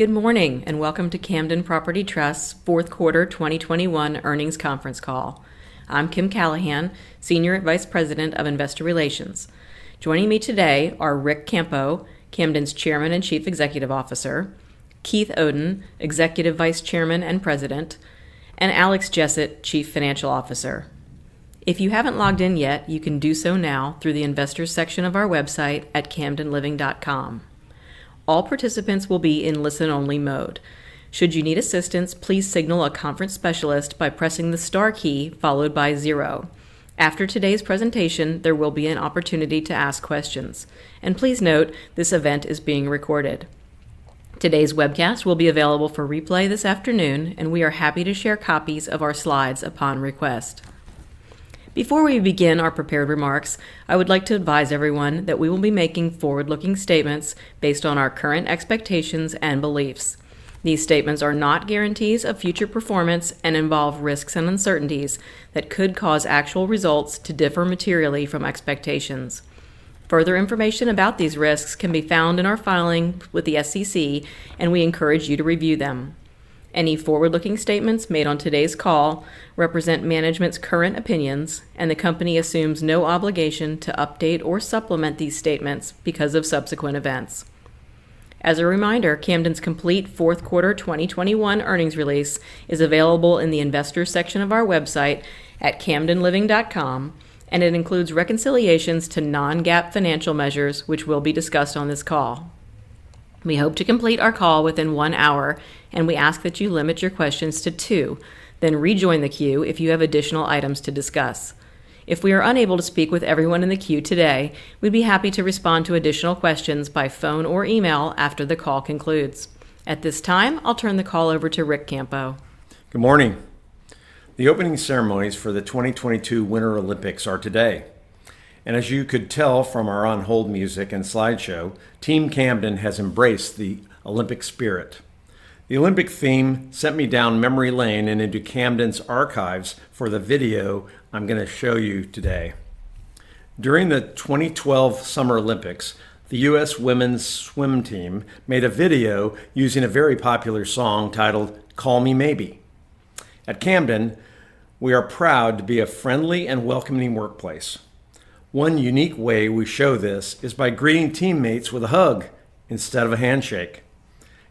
Good morning, and welcome to Camden Property Trust's Fourth Quarter 2021 Earnings Conference Call. I'm Kim Callahan, Senior Vice President of Investor Relations. Joining me today are Ric Campo, Camden's Chairman and Chief Executive Officer; Keith Oden, Executive Vice Chairman and President; and Alex Jessett, Chief Financial Officer. If you haven't logged in yet, you can do so now through the investors section of our website at camdenliving.com. All participants will be in listen-only mode. Should you need assistance, please signal a conference specialist by pressing the star key followed by zero. After today's presentation, there will be an opportunity to ask questions. Please note this event is being recorded. Today's webcast will be available for replay this afternoon, and we are happy to share copies of our slides upon request. Before we begin our prepared remarks, I would like to advise everyone that we will be making forward-looking statements based on our current expectations and beliefs. These statements are not guarantees of future performance and involve risks and uncertainties that could cause actual results to differ materially from expectations. Further information about these risks can be found in our filing with the SEC, and we encourage you to review them. Any forward-looking statements made on today's call represent management's current opinions, and the company assumes no obligation to update or supplement these statements because of subsequent events. As a reminder, Camden's complete fourth quarter 2021 earnings release is available in the investors section of our website at camdenliving.com, and it includes reconciliations to non-GAAP financial measures which will be discussed on this call. We hope to complete our call within one hour, and we ask that you limit your questions to two, then rejoin the queue if you have additional items to discuss. If we are unable to speak with everyone in the queue today, we'd be happy to respond to additional questions by phone or email after the call concludes. At this time, I'll turn the call over to Ric Campo. Good morning. The opening ceremonies for the 2022 Winter Olympics are today. As you could tell from our on-hold music and slideshow, Team Camden has embraced the Olympic spirit. The Olympic theme sent me down memory lane and into Camden's archives for the video I'm gonna show you today. During the 2012 Summer Olympics, the U.S. women's swim team made a video using a very popular song titled Call Me Maybe. At Camden, we are proud to be a friendly and welcoming workplace. One unique way we show this is by greeting teammates with a hug instead of a handshake.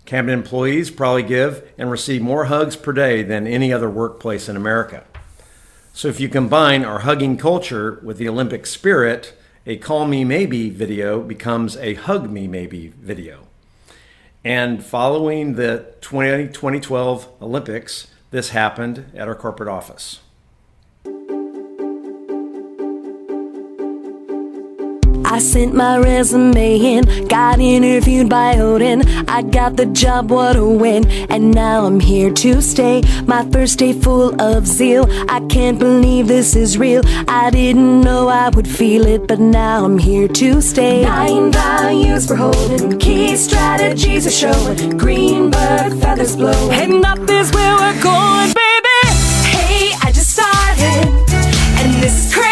Camden employees probably give and receive more hugs per day than any other workplace in America. If you combine our hugging culture with the Olympic spirit, a Call Me Maybe video becomes a Hug Me Maybe video. Following the 2012 Olympics, this happened at our corporate office. I sent my resume in. Got interviewed by Oden. I got the job, what a win. And now I'm here to stay. My first day full of zeal. I can't believe this is real. I didn't know I would feel it. But now I'm here to stay. Nine values we're holding. Key strategies are showing. Greenbird feathers blowing. And up is where we're going, baby. Hey, I just started, and this is crazy.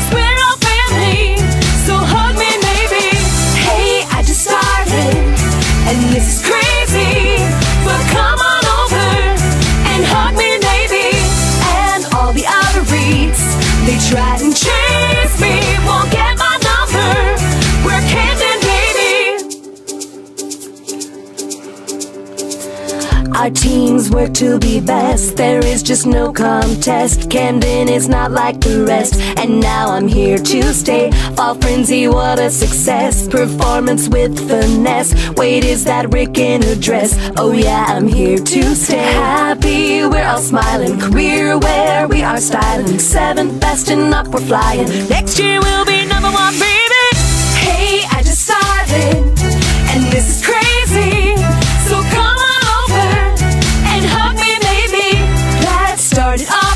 So come on over and hug me maybe. Yeah, start it off right for you, baby. 'Cause we're all family, so hug me maybe. Hey, I just started, and this is crazy. But come on over and hug me maybe. And all the other REITs, they try and chase me. Won't get my number. We're Camden, baby. Our teams work to be best. There is just no contest. Camden is not like the rest. Now I'm here to stay. Fall frenzy, what a success. Performance with finesse. Wait, is that Rick in a dress? Oh, yeah, I'm here to stay. Happy, we're all smiling. Career where we are styling. Seventh best and up we're flying. Next year we'll be number one, baby. Hey, I just started, and this is crazy. Come on over and hug me maybe. Yeah,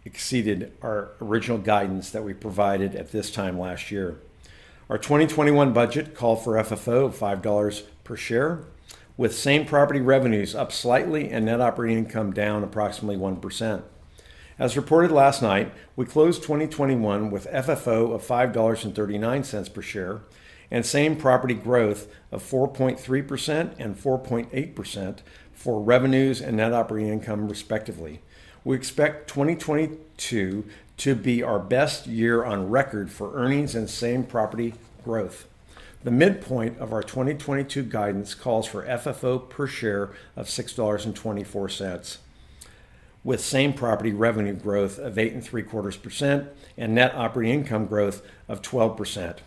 clearly exceeded our original guidance that we provided at this time last year. Our 2021 budget called for FFO of $5 per share, with same-property revenues up slightly and net operating income down approximately 1%. As reported last night, we closed 2021 with FFO of $5.39 per share and same-property growth of 4.3% and 4.8% for revenues and net operating income, respectively. We expect 2022 to be our best year on record for earnings and same property growth. The midpoint of our 2022 guidance calls for FFO per share of $6.24, with same-property revenue growth of 8.75% and net operating income growth of 12%.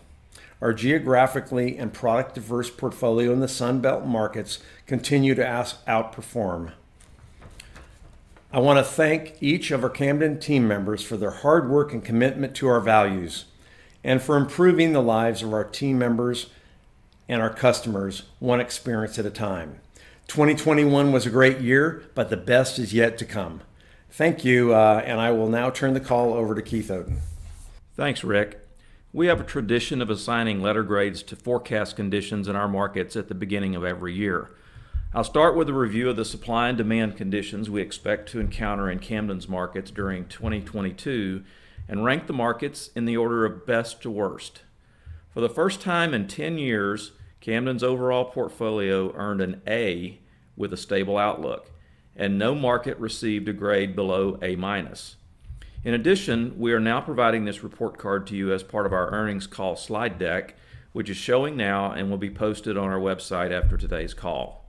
Our geographically and product-diverse portfolio in the Sun Belt markets continue to outperform. I wanna thank each of our Camden team members for their hard work and commitment to our values, and for improving the lives of our team members and our customers one experience at a time. 2021 was a great year, but the best is yet to come. Thank you, and I will now turn the call over to Keith Oden. Thanks, Rick. We have a tradition of assigning letter grades to forecast conditions in our markets at the beginning of every year. I'll start with a review of the supply and demand conditions we expect to encounter in Camden's markets during 2022 and rank the markets in the order of best to worst. For the first time in 10 years, Camden's overall portfolio earned an A with a stable outlook, and no market received a grade below A-. In addition, we are now providing this report card to you as part of our earnings call slide deck, which is showing now and will be posted on our website after today's call.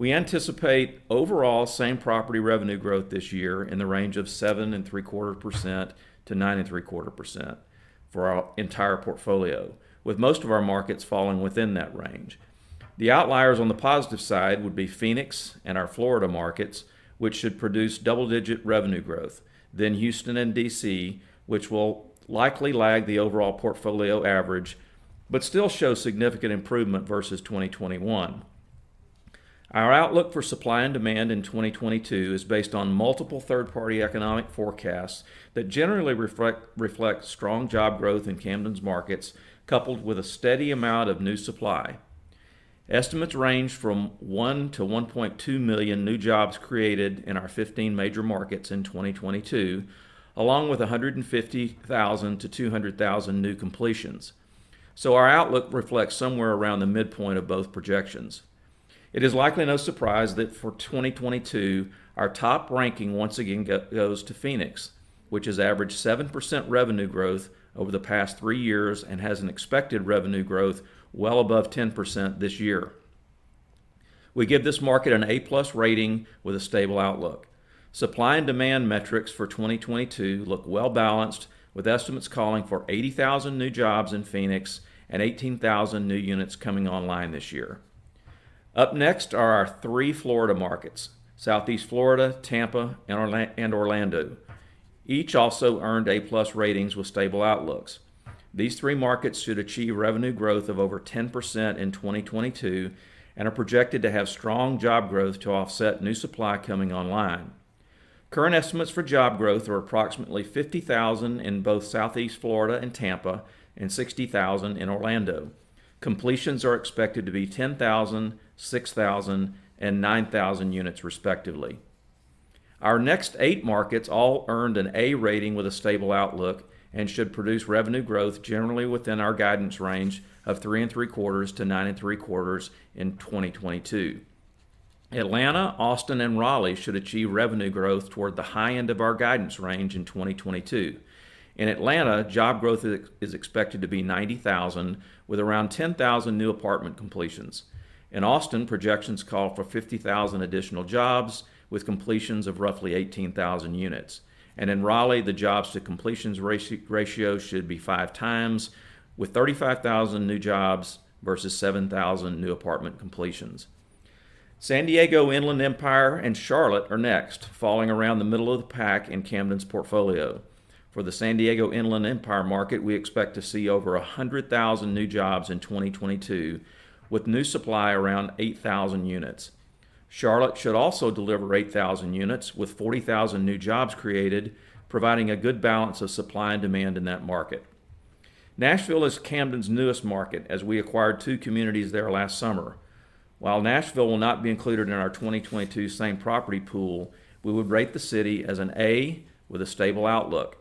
We anticipate overall same-property revenue growth this year in the range of 7.75%-9.75% for our entire portfolio, with most of our markets falling within that range. The outliers on the positive side would be Phoenix and our Florida markets, which should produce double-digit revenue growth. Houston and D.C., which will likely lag the overall portfolio average, but still show significant improvement versus 2021. Our outlook for supply and demand in 2022 is based on multiple third-party economic forecasts that generally reflect strong job growth in Camden's markets, coupled with a steady amount of new supply. Estimates range from 1 million-1.2 million new jobs created in our 15 major markets in 2022, along with 150,000-200,000 new completions. Our outlook reflects somewhere around the midpoint of both projections. It is likely no surprise that for 2022, our top ranking once again goes to Phoenix, which has averaged 7% revenue growth over the past three years and has an expected revenue growth well above 10% this year. We give this market an A+ rating with a stable outlook. Supply and demand metrics for 2022 look well-balanced, with estimates calling for 80,000 new jobs in Phoenix and 18,000 new units coming online this year. Up next are our three Florida markets: Southeast Florida, Tampa, and Orlando. Each also earned A-plus ratings with stable outlooks. These three markets should achieve revenue growth of over 10% in 2022 and are projected to have strong job growth to offset new supply coming online. Current estimates for job growth are approximately 50,000 in both Southeast Florida and Tampa and 60,000 in Orlando. Completions are expected to be 10,000, 6,000, and 9,000 units respectively. Our next eight markets all earned an A rating with a stable outlook and should produce revenue growth generally within our guidance range of 3.75%-9.75% in 2022. Atlanta, Austin, and Raleigh should achieve revenue growth toward the high end of our guidance range in 2022. In Atlanta, job growth is expected to be 90,000 with around 10,000 new apartment completions. In Austin, projections call for 50,000 additional jobs with completions of roughly 18,000 units. In Raleigh, the jobs to completions ratio should be 5x with 35,000 new jobs versus 7,000 new apartment completions. San Diego Inland Empire and Charlotte are next, falling around the middle of the pack in Camden's portfolio. For the San Diego Inland Empire market, we expect to see over 100,000 new jobs in 2022, with new supply around 8,000 units. Charlotte should also deliver 8,000 units with 40,000 new jobs created, providing a good balance of supply and demand in that market. Nashville is Camden's newest market as we acquired two communities there last summer. While Nashville will not be included in our 2022 same property pool, we would rate the city as an A with a stable outlook.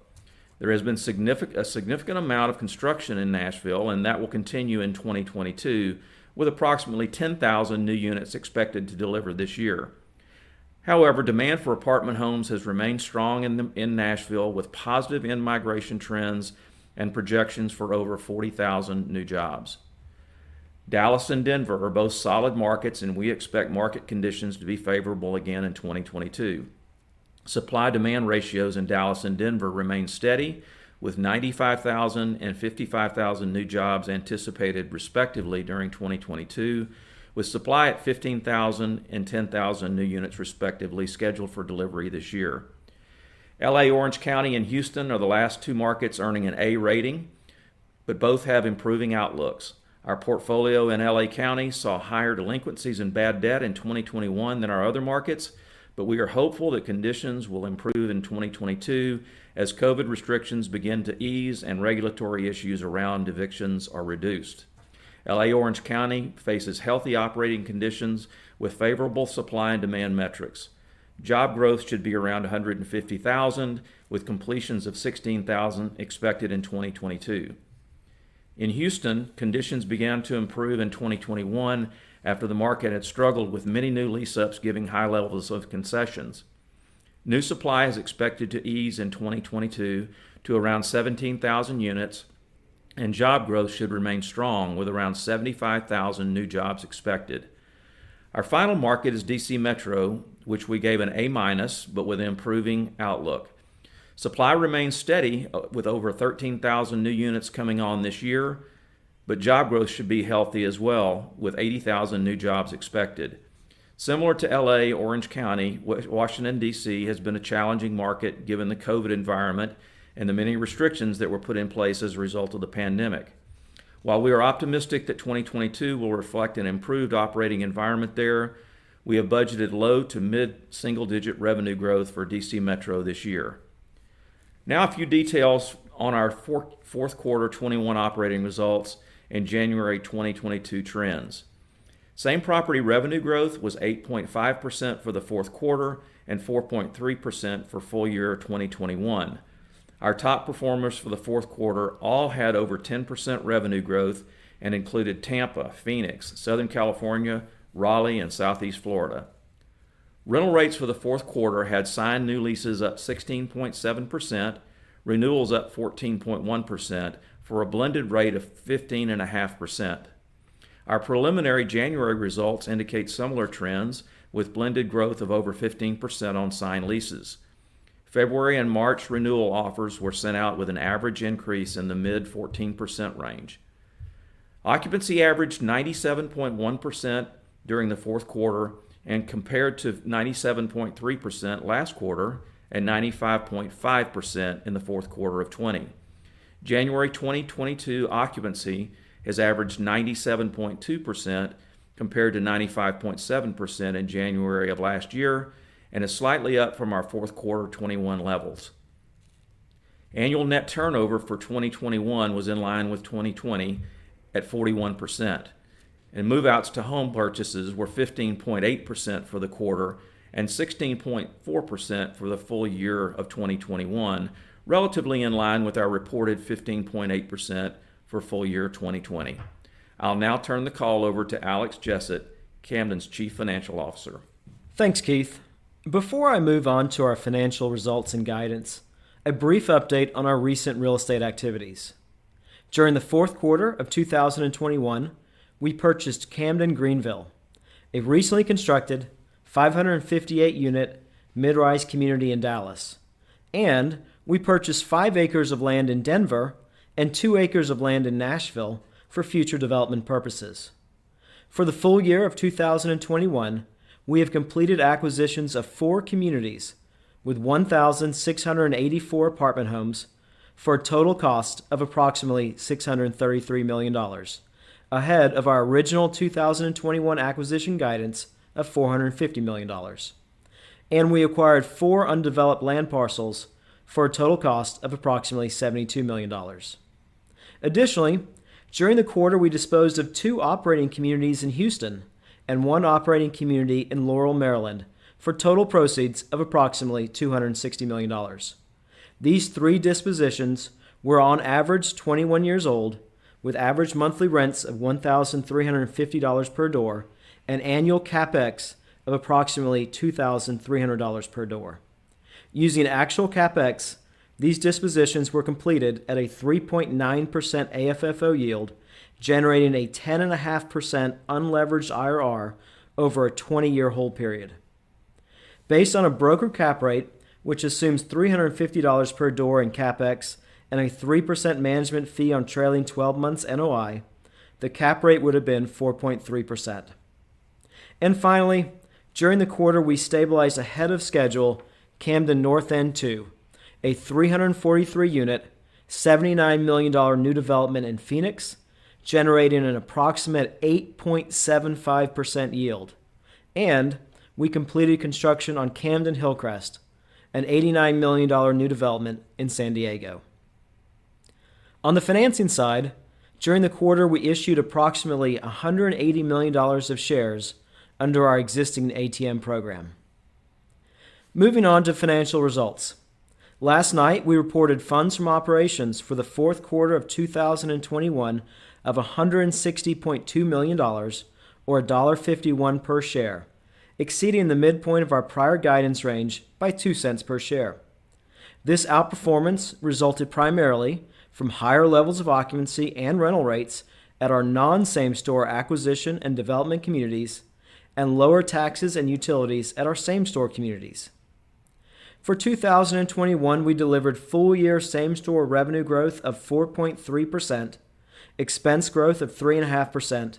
There has been a significant amount of construction in Nashville, and that will continue in 2022, with approximately 10,000 new units expected to deliver this year. However, demand for apartment homes has remained strong in Nashville with positive in-migration trends and projections for over 40,000 new jobs. Dallas and Denver are both solid markets, and we expect market conditions to be favorable again in 2022. Supply-demand ratios in Dallas and Denver remain steady, with 95,000 and 55,000 new jobs anticipated respectively during 2022, with supply at 15,000 and 10,000 new units respectively scheduled for delivery this year. L.A. Orange County and Houston are the last two markets earning an A rating, but both have improving outlooks. Our portfolio in L.A. County saw higher delinquencies in bad debt in 2021 than our other markets, but we are hopeful that conditions will improve in 2022 as COVID restrictions begin to ease and regulatory issues around evictions are reduced. L.A. Orange County faces healthy operating conditions with favorable supply and demand metrics. Job growth should be around 150,000, with completions of 16,000 expected in 2022. In Houston, conditions began to improve in 2021 after the market had struggled with many new lease-ups giving high levels of concessions. New supply is expected to ease in 2022 to around 17,000 units, and job growth should remain strong, with around 75,000 new jobs expected. Our final market is D.C. Metro, which we gave an A-, but with improving outlook. Supply remains steady with over 13,000 new units coming on this year, but job growth should be healthy as well, with 80,000 new jobs expected. Similar to L.A. Orange County, Washington, D.C. has been a challenging market given the COVID environment and the many restrictions that were put in place as a result of the pandemic. While we are optimistic that 2022 will reflect an improved operating environment there, we have budgeted low to mid-single-digit revenue growth for D.C. Metro this year. Now a few details on our fourth quarter 2021 operating results and January 2022 trends. Same-property revenue growth was 8.5% for the fourth quarter and 4.3% for full year 2021. Our top performers for the fourth quarter all had over 10% revenue growth and included Tampa, Phoenix, Southern California, Raleigh, and Southeast Florida. Rental rates for the fourth quarter had signed new leases up 16.7%, renewals up 14.1% for a blended rate of 15.5%. Our preliminary January results indicate similar trends with blended growth of over 15% on signed leases. February and March renewal offers were sent out with an average increase in the mid-14% range. Occupancy averaged 97.1% during the fourth quarter and compared to 97.3% last quarter and 95.5% in the fourth quarter of 2020. January 2022 occupancy has averaged 97.2% compared to 95.7% in January of last year and is slightly up from our fourth quarter 2020 levels. Annual net turnover for 2021 was in line with 2020 at 41%, and move-outs to home purchases were 15.8% for the quarter and 16.4% for the full year of 2021, relatively in line with our reported 15.8% for full year 2020. I'll now turn the call over to Alex Jessett, Camden's Chief Financial Officer. Thanks, Keith. Before I move on to our financial results and guidance, a brief update on our recent real estate activities. During the fourth quarter of 2021, we purchased Camden Greenville, a recently constructed 558-unit mid-rise community in Dallas, and we purchased five acres of land in Denver and two acres of land in Nashville for future development purposes. For the full year of 2021, we have completed acquisitions of four communities with 1,684 apartment homes for a total cost of approximately $633 million, ahead of our original 2021 acquisition guidance of $450 million, and we acquired four undeveloped land parcels for a total cost of approximately $72 million. Additionally, during the quarter, we disposed of two operating communities in Houston and one operating community in Laurel, Maryland, for total proceeds of approximately $260 million. These three dispositions were on average 21 years old, with average monthly rents of $1,350 per door and annual CapEx of approximately $2,300 per door. Using actual CapEx, these dispositions were completed at a 3.9% AFFO yield, generating a 10.5% unleveraged IRR over a 20-year hold period. Based on a broker cap rate, which assumes $350 per door in CapEx and a 3% management fee on trailing 12 months NOI, the cap rate would have been 4.3%. Finally, during the quarter, we stabilized ahead of schedule Camden North End II, a 343-unit, $79 million new development in Phoenix, generating an approximate 8.75% yield. We completed construction on Camden Hillcrest, an $89 million new development in San Diego. On the financing side, during the quarter, we issued approximately $180 million of shares under our existing ATM program. Moving on to financial results. Last night, we reported funds from operations for the fourth quarter of 2021 of $160.2 million or $1.51 per share, exceeding the midpoint of our prior guidance range by $0.02 per share. This outperformance resulted primarily from higher levels of occupancy and rental rates at our non-same-store acquisition and development communities and lower taxes and utilities at our same-store communities. For 2021, we delivered full-year same-store revenue growth of 4.3%, expense growth of 3.5%,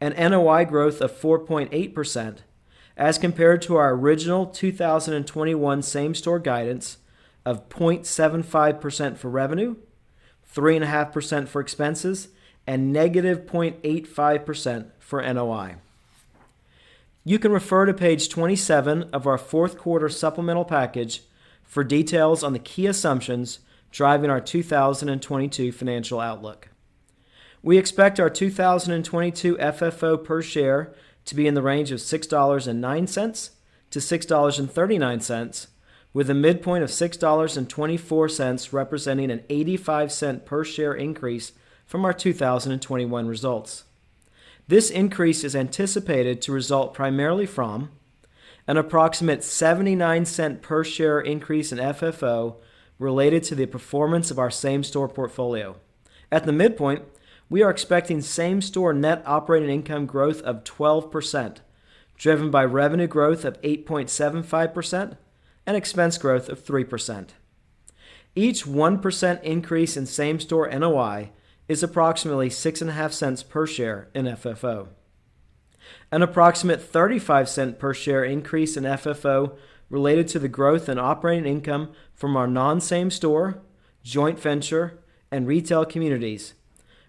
and NOI growth of 4.8% as compared to our original 2021 same-store guidance of 0.75% for revenue, 3.5% for expenses, and -0.85% for NOI. You can refer to page 27 of our fourth quarter supplemental package for details on the key assumptions driving our 2022 financial outlook. We expect our 2022 FFO per share to be in the range of $6.09-$6.39, with a midpoint of $6.24 representing an $0.85 per share increase from our 2021 results. This increase is anticipated to result primarily from an approximate $0.79 per share increase in FFO related to the performance of our same-store portfolio. At the midpoint, we are expecting same-store net operating income growth of 12%, driven by revenue growth of 8.75% and expense growth of 3%. Each 1% increase in same-store NOI is approximately $0.065 per share in FFO. An approximate $0.35 per share increase in FFO related to the growth in operating income from our non-same-store, joint venture, and retail communities,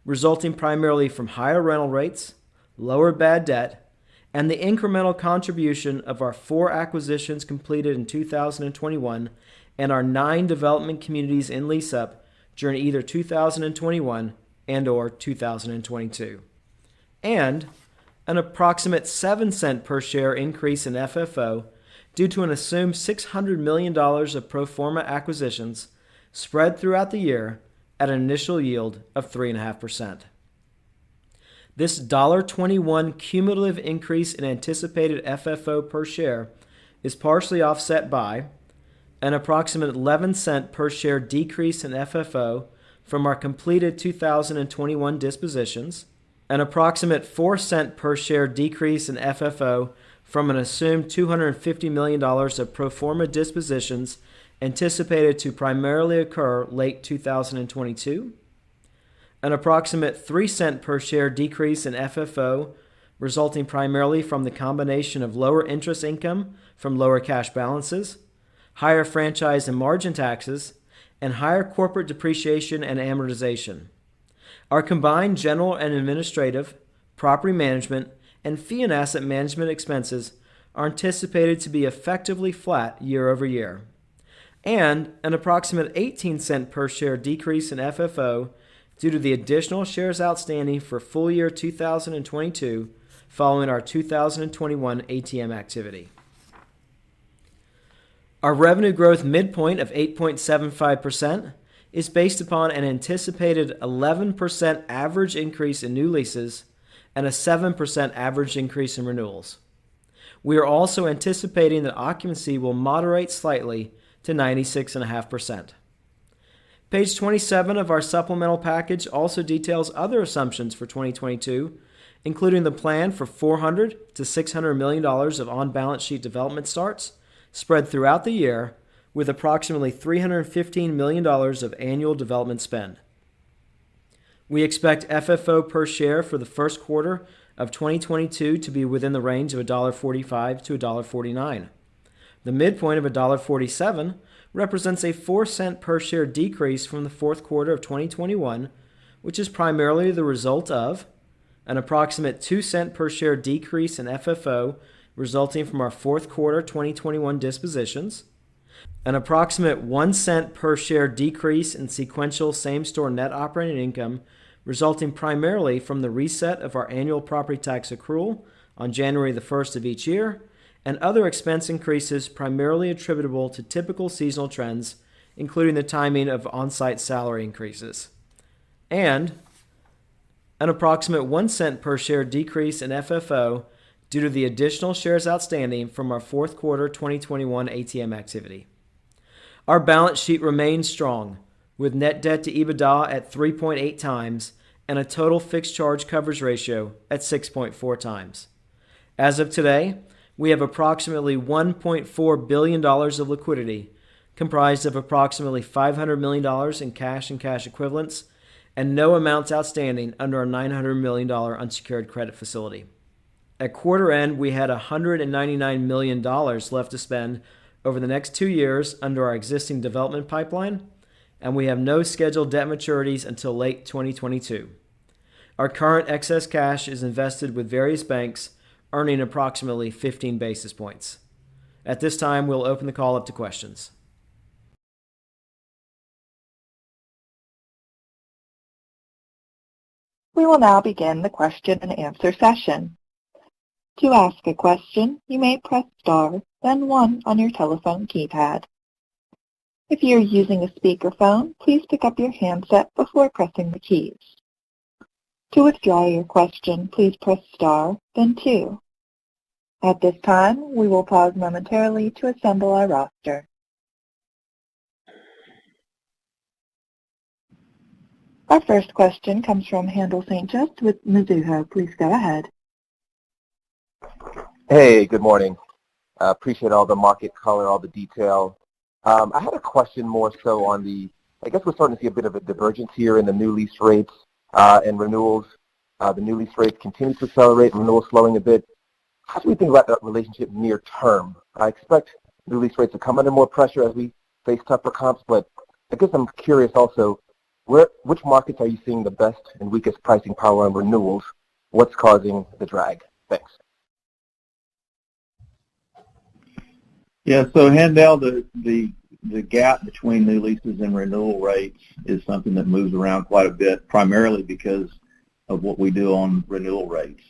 resulting primarily from higher rental rates, lower bad debt, and the incremental contribution of our four acquisitions completed in 2021 and our nine development communities in lease-up during either 2021 and/or 2022. An approximate $0.07 per share increase in FFO due to an assumed $600 million of pro forma acquisitions spread throughout the year at an initial yield of 3.5%. This $1.21 cumulative increase in anticipated FFO per share is partially offset by an approximate $0.11 per share decrease in FFO from our completed 2021 dispositions, an approximate $0.04 per share decrease in FFO from an assumed $250 million of pro forma dispositions anticipated to primarily occur late 2022, an approximate $0.03 per share decrease in FFO resulting primarily from the combination of lower interest income from lower cash balances, higher franchise and margin taxes, and higher corporate depreciation and amortization. Our combined general and administrative, property management, and fee and asset management expenses are anticipated to be effectively flat year-over-year, and an approximate $0.18 per share decrease in FFO due to the additional shares outstanding for full year 2022 following our 2021 ATM activity. Our revenue growth midpoint of 8.75% is based upon an anticipated 11% average increase in new leases and a 7% average increase in renewals. We are also anticipating that occupancy will moderate slightly to 96.5%. Page 27 of our supplemental package also details other assumptions for 2022, including the plan for $400 million-$600 million of on-balance sheet development starts spread throughout the year with approximately $315 million of annual development spend. We expect FFO per share for the first quarter of 2022 to be within the range of $1.45-$1.49. The midpoint of $1.47 represents a $0.04 per share decrease from the fourth quarter of 2021, which is primarily the result of an approximate $0.02 per share decrease in FFO resulting from our fourth quarter 2021 dispositions, an approximate $0.01 per share decrease in sequential same-store net operating income resulting primarily from the reset of our annual property tax accrual on January 1st of each year and other expense increases primarily attributable to typical seasonal trends, including the timing of on-site salary increases, and an approximate $0.01 per share decrease in FFO due to the additional shares outstanding from our fourth quarter 2021 ATM activity. Our balance sheet remains strong, with net debt to EBITDA at 3.8x and a total fixed charge coverage ratio at 6.4x. As of today, we have approximately $1.4 billion of liquidity, comprised of approximately $500 million in cash and cash equivalents and no amounts outstanding under our $900 million unsecured credit facility. At quarter end, we had $199 million left to spend over the next two years under our existing development pipeline, and we have no scheduled debt maturities until late 2022. Our current excess cash is invested with various banks, earning approximately 15 basis points. At this time, we'll open the call up to questions. We will now begin the question-and-answer session. To ask a question, you may press star then 1 on your telephone keypad. If you're using a speakerphone, please pick up your handset before pressing the keys. Our first question comes from Haendel St-Juste with Mizuho. Please go ahead. Hey, good morning. Appreciate all the market color, all the detail. I had a question more so on the I guess we're starting to see a bit of a divergence here in the new lease rates, and renewals. The new lease rates continue to accelerate, renewals slowing a bit. How should we think about that relationship near term? I expect new lease rates to come under more pressure as we face tougher comps, but I guess I'm curious also which markets are you seeing the best and weakest pricing power on renewals? What's causing the drag? Thanks. Yeah. Haendel, the gap between new leases and renewal rates is something that moves around quite a bit, primarily because of what we do on renewal rates.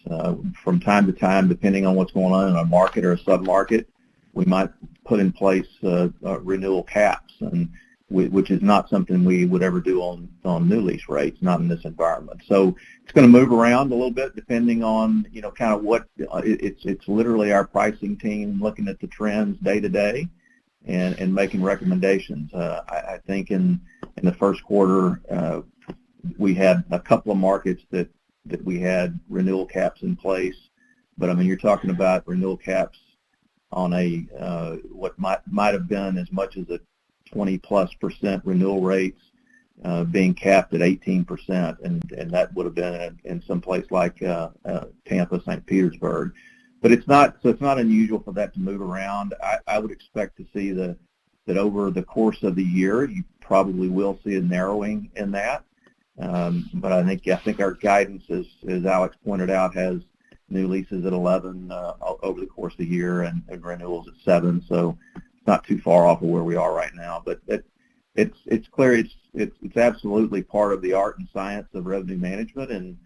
From time to time, depending on what's going on in a market or a sub-market, we might put in place renewal caps, which is not something we would ever do on new lease rates, not in this environment. It's gonna move around a little bit depending on, you know, kind of what it's literally our pricing team looking at the trends day to day and making recommendations. I think in the first quarter, we had a couple of markets that we had renewal caps in place, but I mean you're talking about renewal caps on a what might have been as much as a 20%+ renewal rates, being capped at 18% and that would've been in some place like Tampa, St. Petersburg. It's not unusual for that to move around. I would expect to see that over the course of the year you probably will see a narrowing in that. I think our guidance as Alex pointed out has new leases at 11% over the course of the year and renewals at 7%, so it's not too far off of where we are right now. It's clear it's absolutely part of the art and science of revenue management, and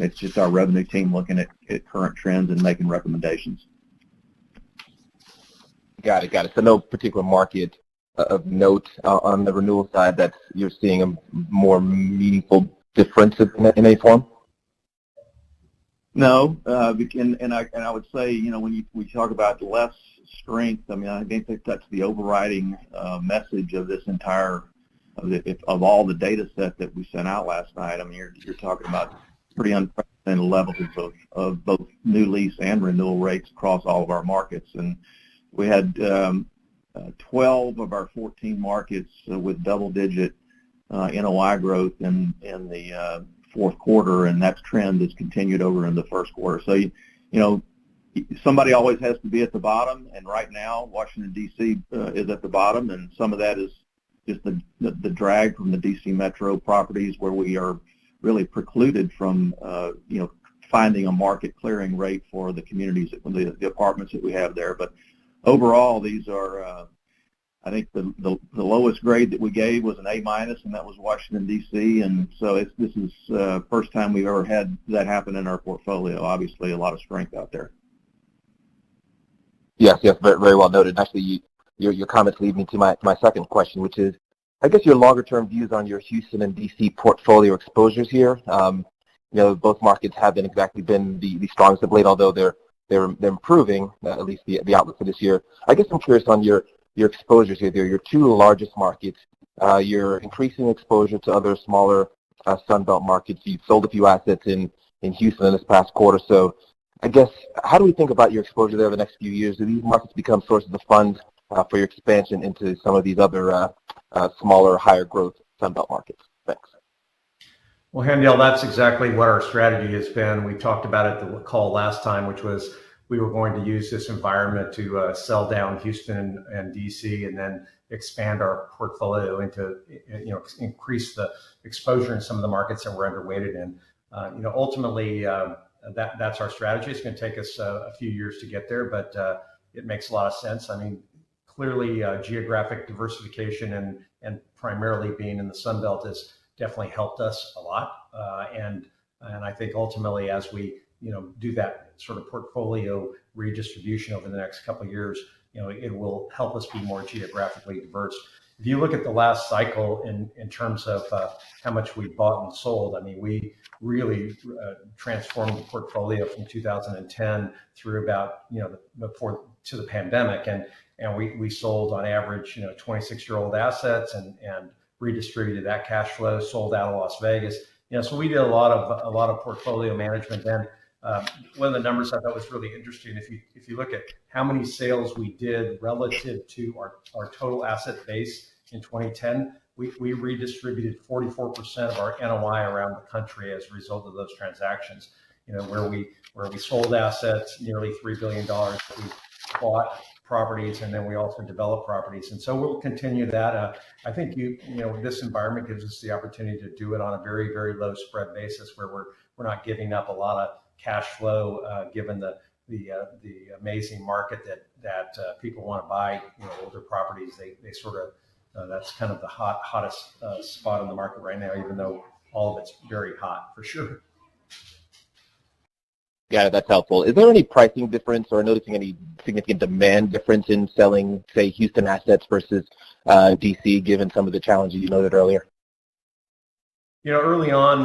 it's just our revenue team looking at current trends and making recommendations. Got it. No particular market of note on the renewal side that you're seeing a more meaningful difference in any form? I would say, you know, when we talk about less strength, I mean, I think that's the overriding message of all the dataset that we sent out last night. I mean, you're talking about pretty unprecedented levels of both new lease and renewal rates across all of our markets. We had 12 of our 14 markets with double-digit NOI growth in the fourth quarter, and that trend has continued into the first quarter. You know, somebody always has to be at the bottom, and right now Washington, D.C., is at the bottom, and some of that is the drag from the D.C. Metro properties where we are really precluded from, you know, finding a market clearing rate for the communities, the apartments that we have there. But overall, these are, I think the lowest grade that we gave was an A-, and that was Washington, D.C. This is the first time we've ever had that happen in our portfolio. Obviously, a lot of strength out there. Yes. Yes. Very well noted. Actually, your comments lead me to my second question, which is I guess your longer term views on your Houston and D.C. portfolio exposures here. You know, both markets haven't exactly been the strongest of late, although they're improving, at least the outlook for this year. I guess I'm curious on your exposures here. They're your two largest markets. You're increasing exposure to other smaller Sunbelt markets. You've sold a few assets in Houston this past quarter. I guess how do we think about your exposure there over the next few years? Do these markets become source of the fund for your expansion into some of these other smaller, higher growth Sunbelt markets? Thanks. Well, Haendel, that's exactly what our strategy has been. We talked about it on the call last time, which was we were going to use this environment to sell down Houston and D.C. and then expand our portfolio into, you know, increase the exposure in some of the markets that we're underweighted in. You know, ultimately, that's our strategy. It's gonna take us a few years to get there, but it makes a lot of sense. I mean, clearly, geographic diversification and I think ultimately as we, you know, do that sort of portfolio redistribution over the next couple of years, you know, it will help us be more geographically diverse. If you look at the last cycle in terms of how much we bought and sold, I mean, we really transformed the portfolio from 2010 through about, you know, 2020 to the pandemic and we sold on average, you know, 26-year-old assets and redistributed that cash flow, sold out of Las Vegas. You know, so we did a lot of portfolio management then. One of the numbers I thought was really interesting, if you look at how many sales we did relative to our total asset base in 2010, we redistributed 44% of our NOI around the country as a result of those transactions. You know, where we sold assets nearly $3 billion, we bought properties, and then we also developed properties. We'll continue that. I think you know this environment gives us the opportunity to do it on a very low spread basis where we're not giving up a lot of cash flow given the amazing market that people wanna buy you know older properties. That's kind of the hottest spot on the market right now, even though all of it's very hot for sure. Yeah, that's helpful. Is there any pricing difference or are you noticing any significant demand difference in selling, say, Houston assets versus, D.C., given some of the challenges you noted earlier? You know, early on,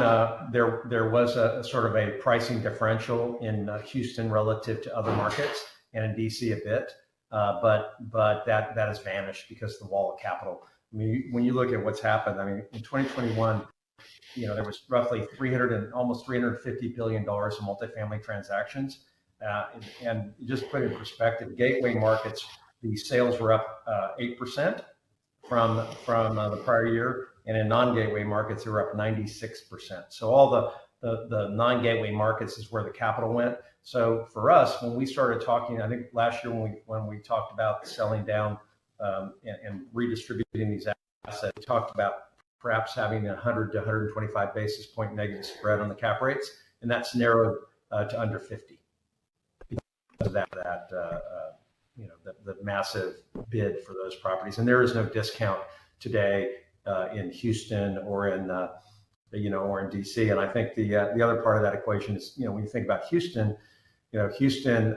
there was a sort of a pricing differential in Houston relative to other markets and in D.C. a bit. That has vanished because the wall of capital. I mean, when you look at what's happened, I mean, in 2021, you know, there was roughly almost $350 billion in multifamily transactions. Just to put it in perspective, gateway markets, the sales were up 8% from the prior year, and in non-gateway markets they were up 96%. All the non-gateway markets is where the capital went. For us, when we started talking... I think last year when we talked about selling down and redistributing these assets, we talked about perhaps having 100-125 basis point negative spread on the cap rates, and that's narrowed to under 50 because of that you know the massive bid for those properties. There is no discount today in Houston or in you know or in D.C. I think the other part of that equation is you know when you think about Houston you know Houston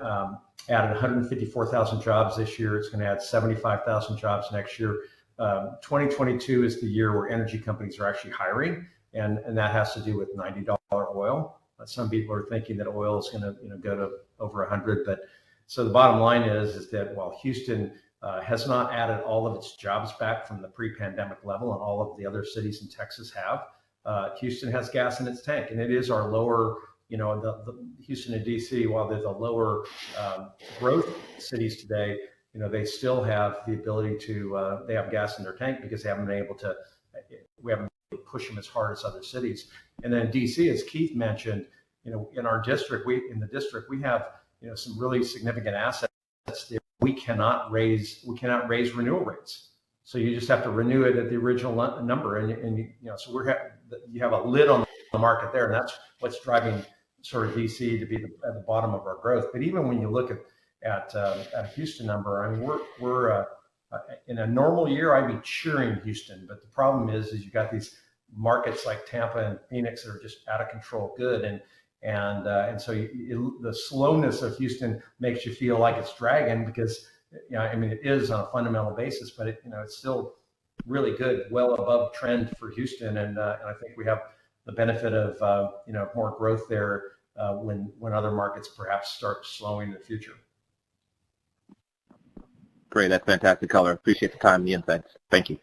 added 154,000 jobs this year. It's gonna add 75,000 jobs next year. 2022 is the year where energy companies are actually hiring, and that has to do with $90 oil. Some people are thinking that oil is gonna, you know, go to over 100. The bottom line is that while Houston has not added all of its jobs back from the pre-pandemic level, and all of the other cities in Texas have, Houston has gas in its tank. It is our lower, you know, Houston and D.C., while they're the lower growth cities today, you know, they have gas in their tank because we haven't been able to push them as hard as other cities. D.C., as Keith mentioned, you know, in our district, we have, you know, some really significant assets that we cannot raise renewal rates. You just have to renew it at the original number, you know. You have a lid on the market there, and that's what's driving sort of D.C. to be at the bottom of our growth. Even when you look at the Houston number, I mean, we're in a normal year I'd be cheering Houston. The problem is you got these markets like Tampa and Phoenix that are just out of control good, and so the slowness of Houston makes you feel like it's dragging because, you know, I mean, it is on a fundamental basis, but it, you know, it's still really good. Well above trend for Houston. I think we have the benefit of, you know, more growth there, when other markets perhaps start slowing in the future. Great. That's fantastic color. Appreciate the time and the insights. Thank you.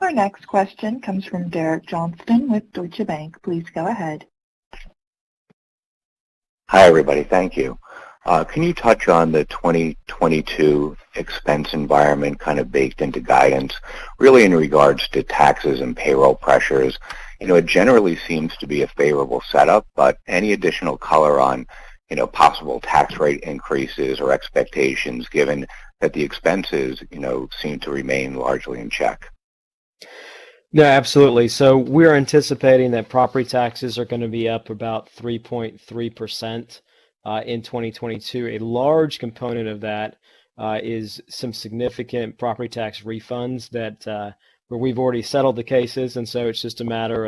Our next question comes from Derek Johnston with Deutsche Bank. Please go ahead. Hi, everybody. Thank you. Can you touch on the 2022 expense environment kind of baked into guidance, really in regards to taxes and payroll pressures? You know, it generally seems to be a favorable setup, but any additional color on, you know, possible tax rate increases or expectations given that the expenses, you know, seem to remain largely in check? No, absolutely. We're anticipating that property taxes are gonna be up about 3.3% in 2022. A large component of that is some significant property tax refunds that we've already settled the cases, and it's just a matter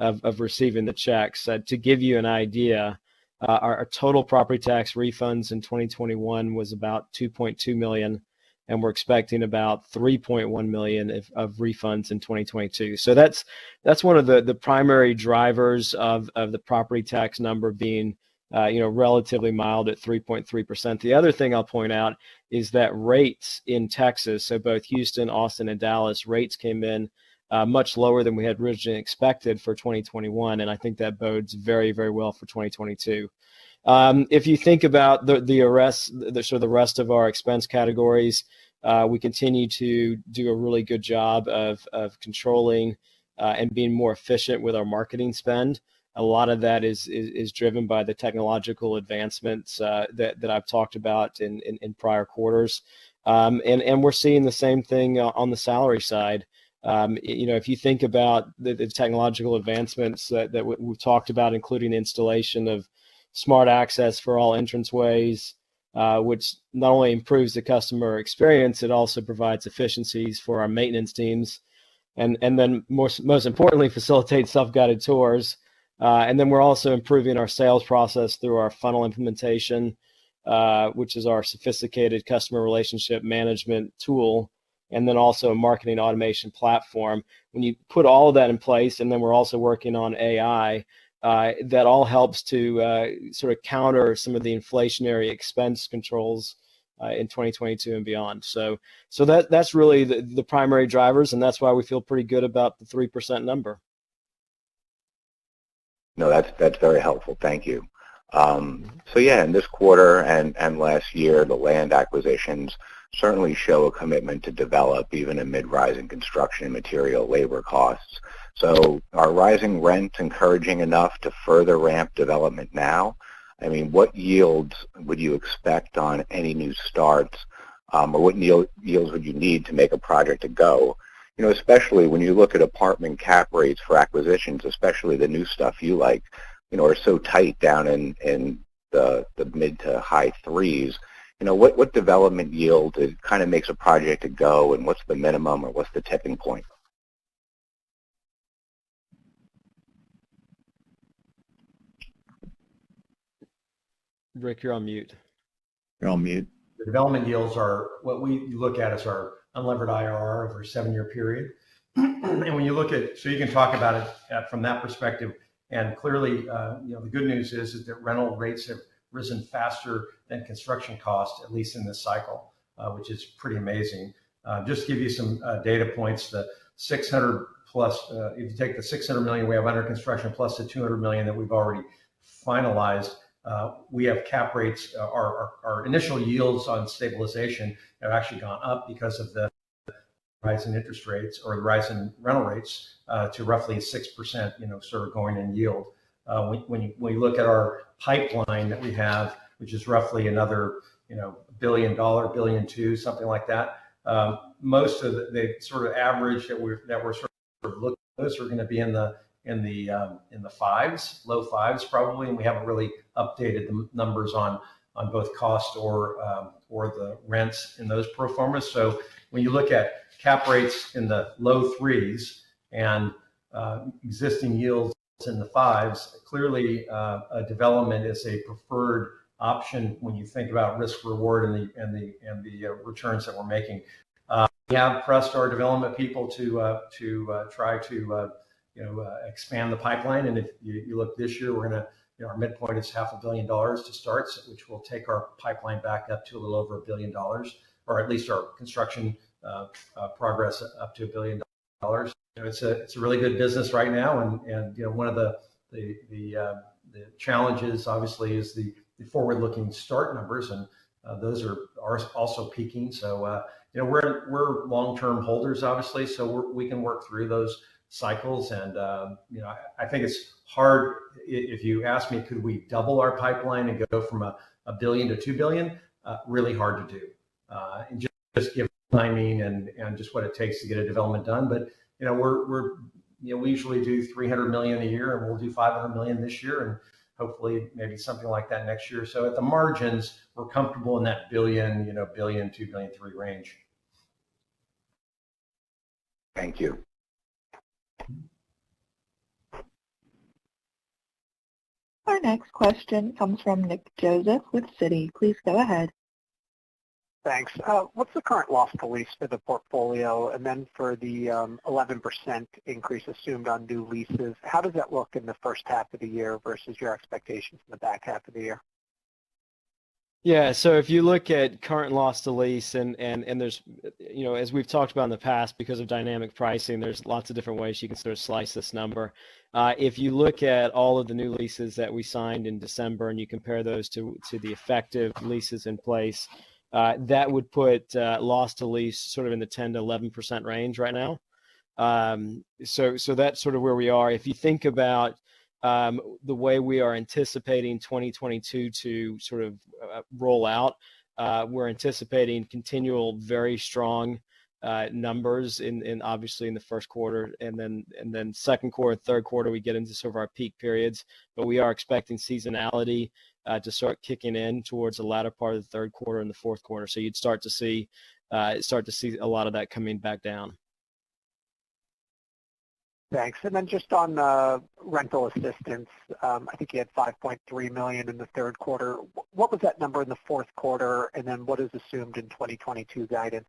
of receiving the checks. To give you an idea, our total property tax refunds in 2021 was about $2.2 million, and we're expecting about $3.1 million of refunds in 2022. That's one of the primary drivers of the property tax number being, you know, relatively mild at 3.3%. The other thing I'll point out is that rates in Texas, so both Houston, Austin, and Dallas, rates came in much lower than we had originally expected for 2021, and I think that bodes very, very well for 2022. If you think about the rest of our expense categories, we continue to do a really good job of controlling and being more efficient with our marketing spend. A lot of that is driven by the technological advancements that I've talked about in prior quarters. We're seeing the same thing on the salary side. You know, if you think about the technological advancements that we've talked about, including installation of Smart Access for all entranceways, which not only improves the customer experience, it also provides efficiencies for our maintenance teams and then most importantly facilitates self-guided tours. We're also improving our sales process through our Funnel implementation, which is our sophisticated customer relationship management tool, and then also a marketing automation platform. When you put all of that in place, and then we're also working on AI, that all helps to sort of counter some of the inflationary expense controls in 2022 and beyond. So that that's really the primary drivers, and that's why we feel pretty good about the 3% number. No, that's very helpful. Thank you. Yeah, in this quarter and last year, the land acquisitions certainly show a commitment to develop even amid rising construction material, labor costs. Are rising rents encouraging enough to further ramp development now? I mean, what yields would you expect on any new starts, or what yields would you need to make a project a go? You know, especially when you look at apartment cap rates for acquisitions, especially the new stuff you like, you know, are so tight down in the mid to high threes. You know, what development yield kind of makes a project a go, and what's the minimum or what's the tipping point? Ric, you're on mute. You're on mute. The development yields are what we look at as our unlevered IRR over a seven-year period. You can talk about it from that perspective. Clearly, you know, the good news is that the rental rates have risen faster than construction costs, at least in this cycle, which is pretty amazing. Just to give you some data points. The 600+ if you take the $600 million we have under construction plus the $200 million that we've already finalized, we have cap rates. Our initial yields on stabilization have actually gone up because of the rise in interest rates or the rise in rental rates to roughly 6%, you know, sort of going in yield. When you look at our pipeline that we have, which is roughly another $1 billion-$2 billion, something like that, most of the sort of average that we're sort of looking at, those are gonna be in the fives, low fives probably. We haven't really updated the model numbers on both costs and the rents in those pro formas. When you look at cap rates in the low threes and existing yields in the fives, clearly a development is a preferred option when you think about risk/reward and the returns that we're making. We have pressed our development people to try to, you know, expand the pipeline. If you look this year, we're gonna... You know, our midpoint is half a billion dollars to starts, which will take our pipeline back up to a little over $1 billion, or at least our construction progress up to $1 billion. You know, it's a really good business right now and you know, one of the challenges obviously is the forward-looking start numbers, and those are also peaking. You know, we're long-term holders obviously, so we can work through those cycles. You know, I think it's hard if you ask me could we double our pipeline and go from $1 billion-$2 billion, really hard to do, just given timing and just what it takes to get a development done. You know, we're You know, we usually do $300 million a year, and we'll do $500 million this year, and hopefully maybe something like that next year. At the margins, we're comfortable in that $1 billion, you know, $2 billion, $3 billion range. Thank you. Our next question comes from Nick Joseph with Citi. Please go ahead. Thanks. What's the current loss to lease for the portfolio? For the 11% increase assumed on new leases, how does that look in the first half of the year versus your expectations in the back half of the year? Yeah. If you look at current loss to lease, and there's. You know, as we've talked about in the past, because of dynamic pricing, there's lots of different ways you can sort of slice this number. If you look at all of the new leases that we signed in December and you compare those to the effective leases in place, that would put loss to lease sort of in the 10%-11% range right now. That's sort of where we are. If you think about the way we are anticipating 2022 to sort of roll out, we're anticipating continual very strong numbers in obviously in the first quarter and then second quarter, third quarter we get into sort of our peak periods. We are expecting seasonality to start kicking in towards the latter part of the third quarter and the fourth quarter. You'd start to see a lot of that coming back down. Thanks. Just on rental assistance, I think you had $5.3 million in the third quarter. What was that number in the fourth quarter, and then what is assumed in 2022 guidance?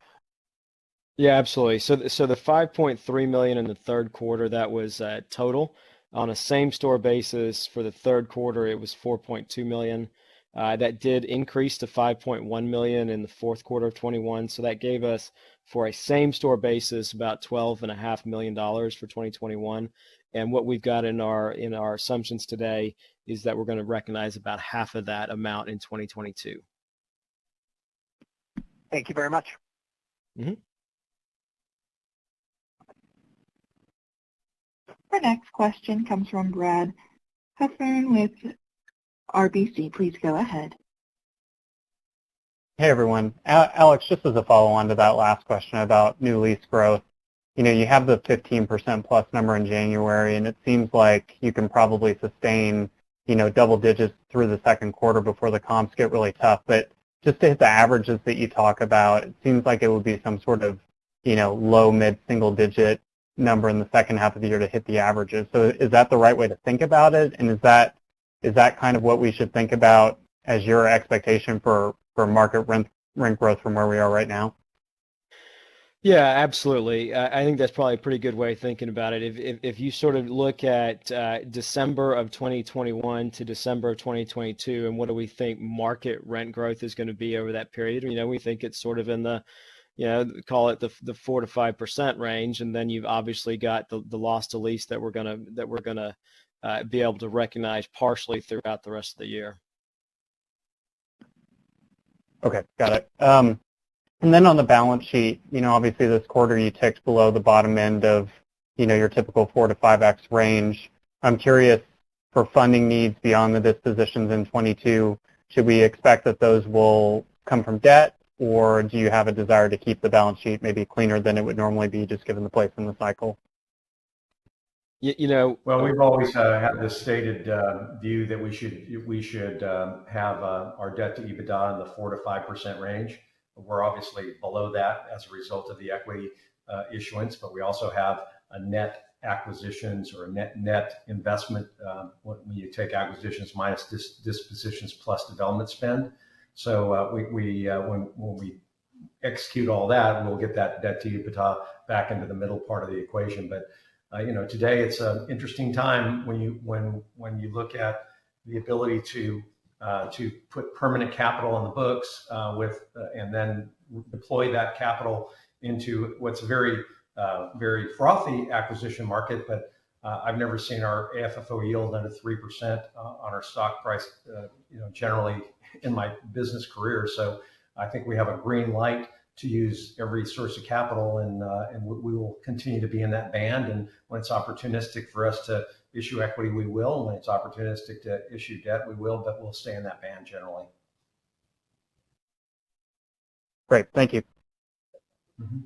Yeah. Absolutely. The $5.3 million in the third quarter, that was total. On a same store basis for the third quarter it was $4.2 million. That did increase to $5.1 million in the fourth quarter of 2021. That gave us for a same store basis about $12.5 million for 2021. What we've got in our assumptions today is that we're gonna recognize about half of that amount in 2022. Thank you very much. Mm-hmm. Our next question comes from Brad Heffern with RBC. Please go ahead. Hey, everyone. Alex, just as a follow-on to that last question about new lease growth. You know, you have the 15%+ number in January, and it seems like you can probably sustain, you know, double digits through the second quarter before the comps get really tough. Just to hit the averages that you talk about, it seems like it would be some sort of, you know, low mid-single digit number in the second half of the year to hit the averages. Is that the right way to think about it? And is that kind of what we should think about as your expectation for market rent growth from where we are right now? Yeah. Absolutely. I think that's probably a pretty good way of thinking about it. If you sort of look at December of 2021 to December of 2022 and what do we think market rent growth is gonna be over that period, you know, we think it's sort of in the, you know, call it the 4%-5% range. You've obviously got the loss to lease that we're gonna be able to recognize partially throughout the rest of the year. Okay. Got it. On the balance sheet, you know, obviously this quarter you ticked below the bottom end of, you know, your typical 4%-5% range. I'm curious for funding needs beyond the dispositions in 2022, should we expect that those will come from debt, or do you have a desire to keep the balance sheet maybe cleaner than it would normally be just given the place in the cycle? Yeah, you know. Well, we've always had this stated view that we should have our debt-to-EBITDA in the 4%-5% range. We're obviously below that as a result of the equity issuance, but we also have net acquisitions or a net investment when you take acquisitions minus dispositions plus development spend. When we execute all that, and we'll get that debt-to-EBITDA back into the middle part of the equation. You know, today it's an interesting time when you look at the ability to put permanent capital on the books with and then deploy that capital into what's a very frothy acquisition market. I've never seen our AFFO yield under 3% on our stock price, you know, generally in my business career. I think we have a green light to use every source of capital, and we will continue to be in that band. When it's opportunistic for us to issue equity, we will. When it's opportunistic to issue debt, we will. We'll stay in that band generally. Great. Thank you. Mm-hmm.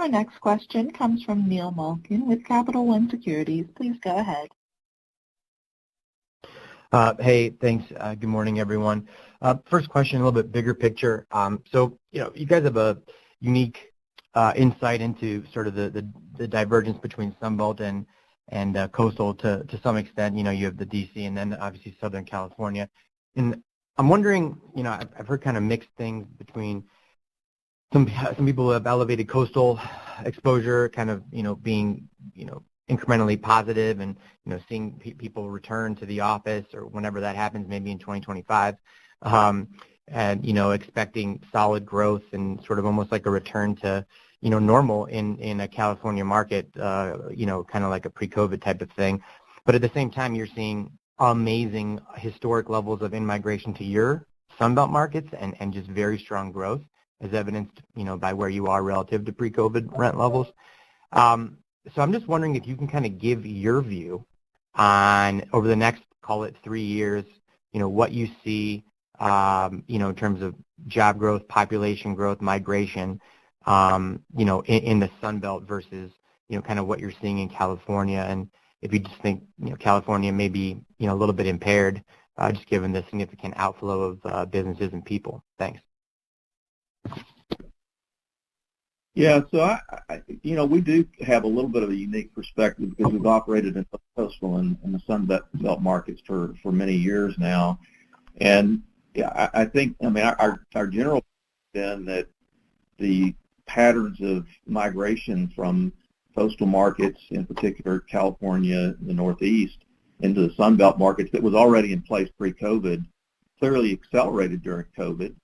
Our next question comes from Neil Malkin with Capital One Securities. Please go ahead. Hey, thanks. Good morning, everyone. First question, a little bit bigger picture. You know, you guys have a unique insight into sort of the divergence between Sun Belt and Coastal to some extent. You know, you have the D.C. and then obviously Southern California. I'm wondering, you know, I've heard kind of mixed things between some people who have elevated Coastal exposure kind of being incrementally positive and seeing people return to the office or whenever that happens, maybe in 2025. You know, expecting solid growth and sort of almost like a return to normal in a California market, kind of like a pre-COVID type of thing. At the same time, you're seeing amazing historic levels of in-migration to your Sunbelt markets and just very strong growth as evidenced, you know, by where you are relative to pre-COVID rent levels. I'm just wondering if you can kind of give your view on over the next, call it three years, you know, what you see, you know, in terms of job growth, population growth, migration, you know, in the Sunbelt versus, you know, kind of what you're seeing in California, and if you just think, you know, California may be, you know, a little bit impaired, just given the significant outflow of businesses and people. Thanks. Yeah, you know, we do have a little bit of a unique perspective because we've operated in the coastal and the Sunbelt markets for many years now. Yeah, I think, I mean, our general has been that the patterns of migration from coastal markets, in particular California and the Northeast, into the Sunbelt markets that was already in place pre-COVID clearly accelerated during COVID.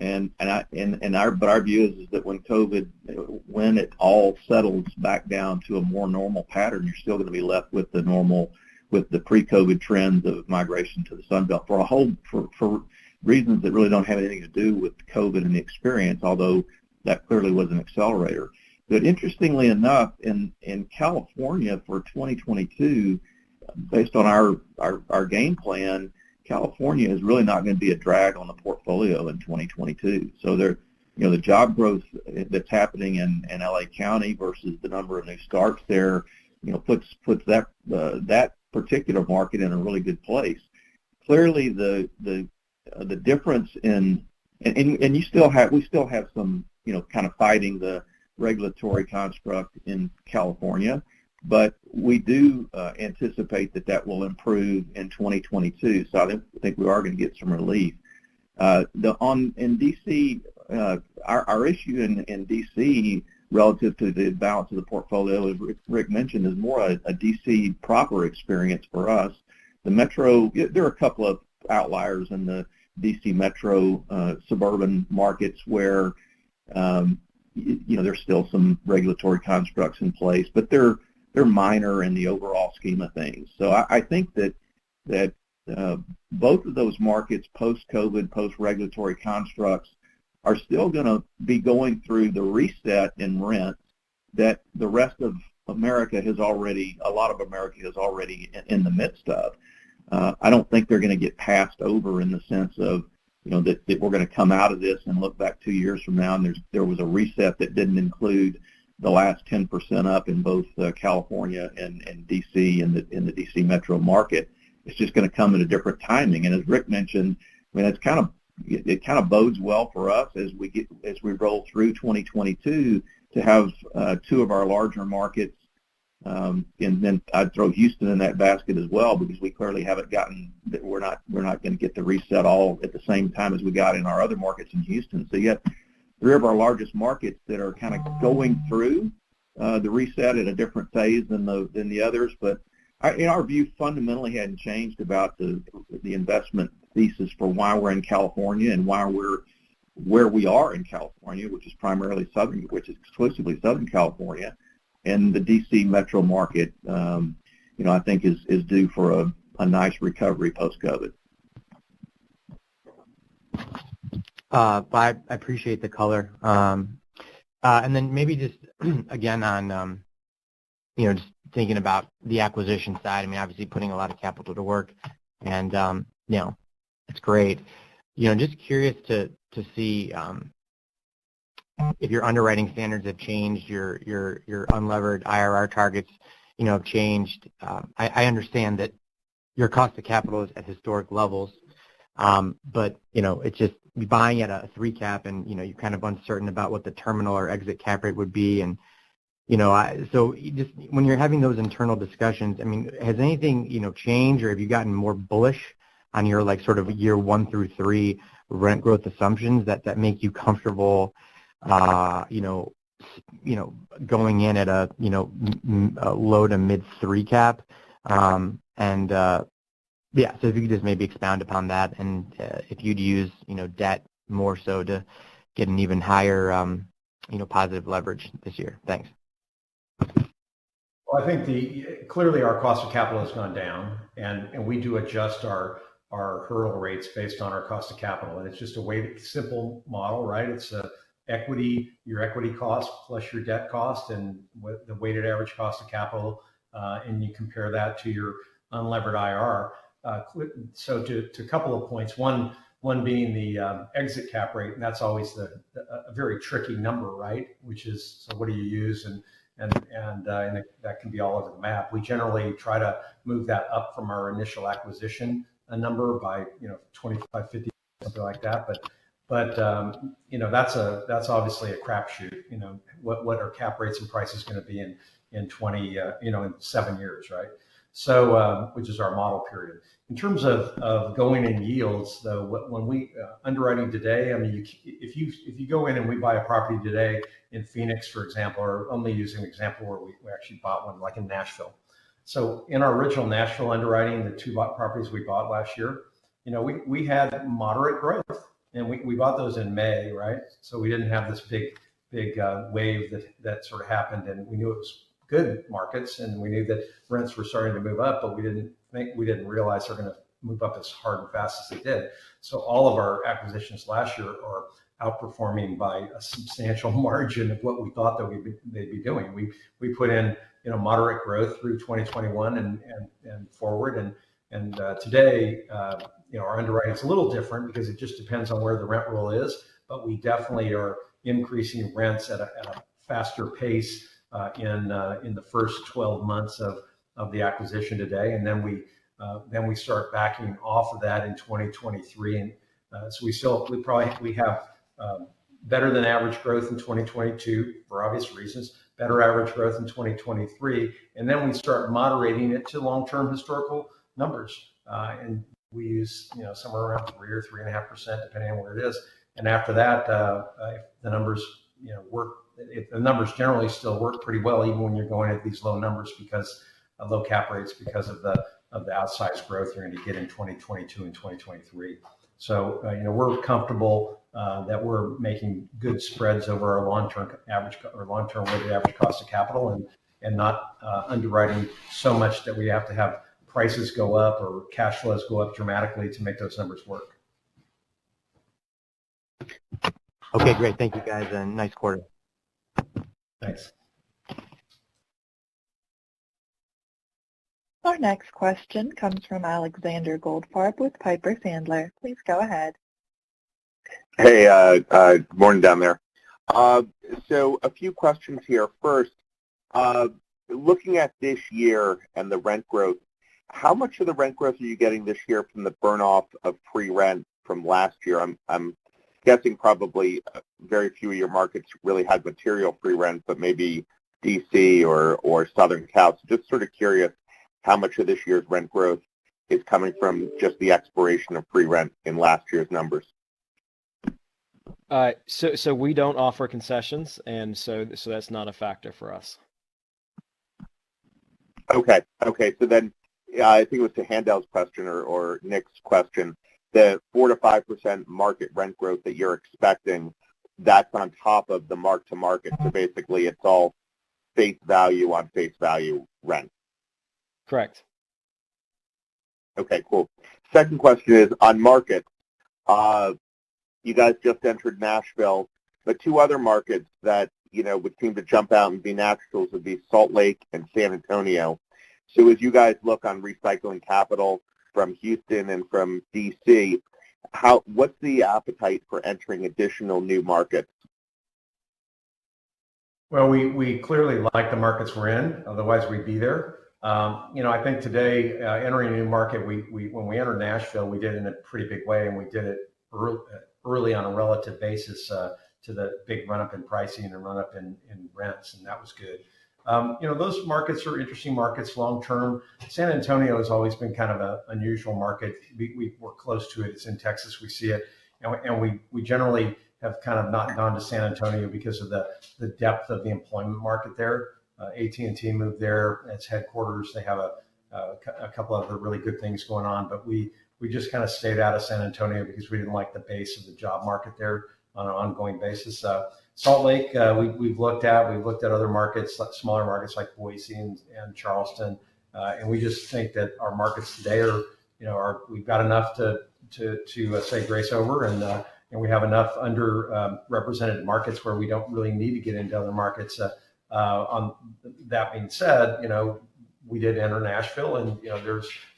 But our view is that when it all settles back down to a more normal pattern, you're still gonna be left with the normal, with the pre-COVID trends of migration to the Sunbelt for reasons that really don't have anything to do with COVID and the experience, although that clearly was an accelerator. Interestingly enough, in California for 2022, based on our game plan, California is really not gonna be a drag on the portfolio in 2022. You know, the job growth that's happening in L.A. County versus the number of new starts there, you know, puts that particular market in a really good place. We still have some, you know, kind of fighting the regulatory construct in California, but we do anticipate that that will improve in 2022. I think we are gonna get some relief. In D.C., our issue in D.C. relative to the balance of the portfolio, as Ric Campo mentioned, is more a D.C. proper experience for us. The Metro. There are a couple of outliers in the D.C. Metro suburban markets where you know there's still some regulatory constructs in place but they're minor in the overall scheme of things. I think that both of those markets post-COVID post-regulatory constructs are still gonna be going through the reset in rents that a lot of America is already in the midst of. I don't think they're gonna get passed over in the sense of you know that we're gonna come out of this and look back two years from now and there was a reset that didn't include the last 10% up in both California and D.C. and in the D.C. Metro market. It's just gonna come at a different timing. As Rick mentioned I mean it's kind of It kind of bodes well for us as we roll through 2022 to have two of our larger markets, and then I'd throw Houston in that basket as well, because we're not gonna get the reset all at the same time as we got in our other markets in Houston. You have three of our largest markets that are kind of going through the reset at a different phase than the others. Our view fundamentally hadn't changed about the investment thesis for why we're in California and why we're where we are in California, which is exclusively Southern California. The D.C. Metro market, you know, I think is due for a nice recovery post-COVID. I appreciate the color. Maybe just, again, on, you know, just thinking about the acquisition side, I mean, obviously putting a lot of capital to work and, you know, it's great. You know, I'm just curious to see if your underwriting standards have changed, your unlevered IRR targets, you know, have changed. I understand that your cost of capital is at historic levels, but, you know, it's just buying at a three cap and, you know, you're kind of uncertain about what the terminal or exit cap rate would be and you know, I. Just when you're having those internal discussions, I mean, has anything, you know, changed or have you gotten more bullish on your like, sort of year one through three rent growth assumptions that make you comfortable, you know, going in at a, you know, low-to-mid three cap? If you could just maybe expound upon that and if you'd use, you know, debt more so to get an even higher, you know, positive leverage this year. Thanks. Well, I think clearly our cost of capital has gone down, and we do adjust our hurdle rates based on our cost of capital. It's just a weighted simple model, right? It's equity, your equity cost plus your debt cost and the weighted average cost of capital, and you compare that to your unlevered IRR. So to a couple of points, one being the exit cap rate, and that's always a very tricky number, right? Which is, so what do you use? That can be all over the map. We generally try to move that up from our initial acquisition, a number by, you know, 25, 50, something like that. You know, that's obviously a crapshoot. You know, what are cap rates and prices gonna be in 2027, right? Which is our model period. In terms of going in yields, though. When we underwriting today, I mean, if you go in and we buy a property today in Phoenix, for example, or only using an example where we actually bought one like in Nashville. In our original Nashville underwriting, the two bought properties we bought last year, you know, we had moderate growth. We bought those in May, right? We didn't have this big wave that sort of happened, and we knew it was good markets, and we knew that rents were starting to move up, but we didn't think. We didn't realize they were gonna move up as hard and fast as they did. All of our acquisitions last year are outperforming by a substantial margin of what we thought that they'd be doing. We put in, you know, moderate growth through 2021 and forward. Today, you know, our underwriting's a little different because it just depends on where the rent roll is. We definitely are increasing rents at a faster pace in the first 12 months of the acquisition today. We start backing off of that in 2023. We probably have better than average growth in 2022 for obvious reasons, better average growth in 2023, and then we start moderating it to long-term historical numbers. We use, you know, somewhere around three or 3.5%, depending on what it is. After that, the numbers, you know, work. If the numbers generally still work pretty well even when you're going at these low numbers because of low cap rates, because of the outsized growth you're gonna get in 2022 and 2023, we're comfortable that we're making good spreads over our long-term average cost of capital or long-term weighted average cost of capital and not underwriting so much that we have to have prices go up or cash flows go up dramatically to make those numbers work. Okay, great. Thank you guys, and nice quarter. Thanks. Our next question comes from Alexander Goldfarb with Piper Sandler. Please go ahead. Hey, morning down there. A few questions here. First, looking at this year and the rent growth, how much of the rent growth are you getting this year from the burn-off of pre-rent from last year? I'm guessing probably very few of your markets really had material pre-rent, but maybe D.C. or Southern Cal. Just sort of curious how much of this year's rent growth is coming from just the expiration of pre-rent in last year's numbers. We don't offer concessions, and so that's not a factor for us. Yeah, I think it was to Haendel's question or Nick's question, the 4%-5% market rent growth that you're expecting, that's on top of the mark-to-market. Basically it's all face value on face value rent. Correct. Okay, cool. Second question is on markets. You guys just entered Nashville, but two other markets that, you know, would seem to jump out and be naturals would be Salt Lake and San Antonio. As you guys look to recycling capital from Houston and from D.C., what's the appetite for entering additional new markets? Well, we clearly like the markets we're in, otherwise we'd be there. You know, I think today, entering a new market, we—when we entered Nashville, we did in a pretty big way, and we did it early on a relative basis, to the big run-up in pricing and run-up in rents, and that was good. You know, those markets are interesting markets long term. San Antonio has always been kind of an unusual market. We're close to it. It's in Texas. We see it. We generally have kind of not gone to San Antonio because of the depth of the employment market there. AT&T moved there, its headquarters. They have a couple other really good things going on. We just kind of stayed out of San Antonio because we didn't like the pace of the job market there on an ongoing basis. Salt Lake, we've looked at other markets, like smaller markets like Boise and Charleston. We just think that our markets today are, you know, are. We've got enough to say grace over, and we have enough underrepresented markets where we don't really need to get into other markets. That being said, you know, we did enter Nashville and, you know,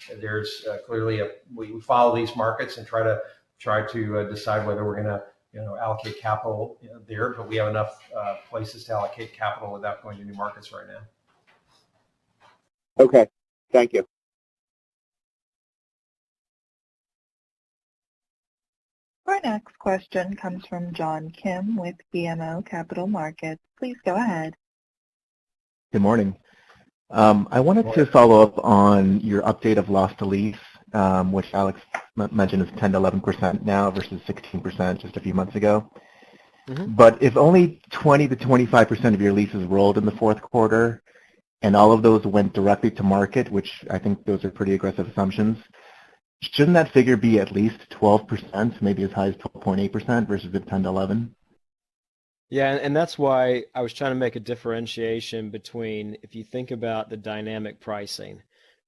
there's clearly a. We follow these markets and try to decide whether we're gonna, you know, allocate capital, you know, there, but we have enough places to allocate capital without going to new markets right now. Okay. Thank you. Our next question comes from John Kim with BMO Capital Markets. Please go ahead. Good morning. I wanted to follow up on your update of loss to lease, which Alex mentioned is 10%-11% now versus 16% just a few months ago. Mm-hmm. If only 20%-25% of your leases rolled in the fourth quarter and all of those went directly to market, which I think those are pretty aggressive assumptions, shouldn't that figure be at least 12%, maybe as high as 12.8% versus the 10%-11%? Yeah, that's why I was trying to make a differentiation between if you think about the dynamic pricing,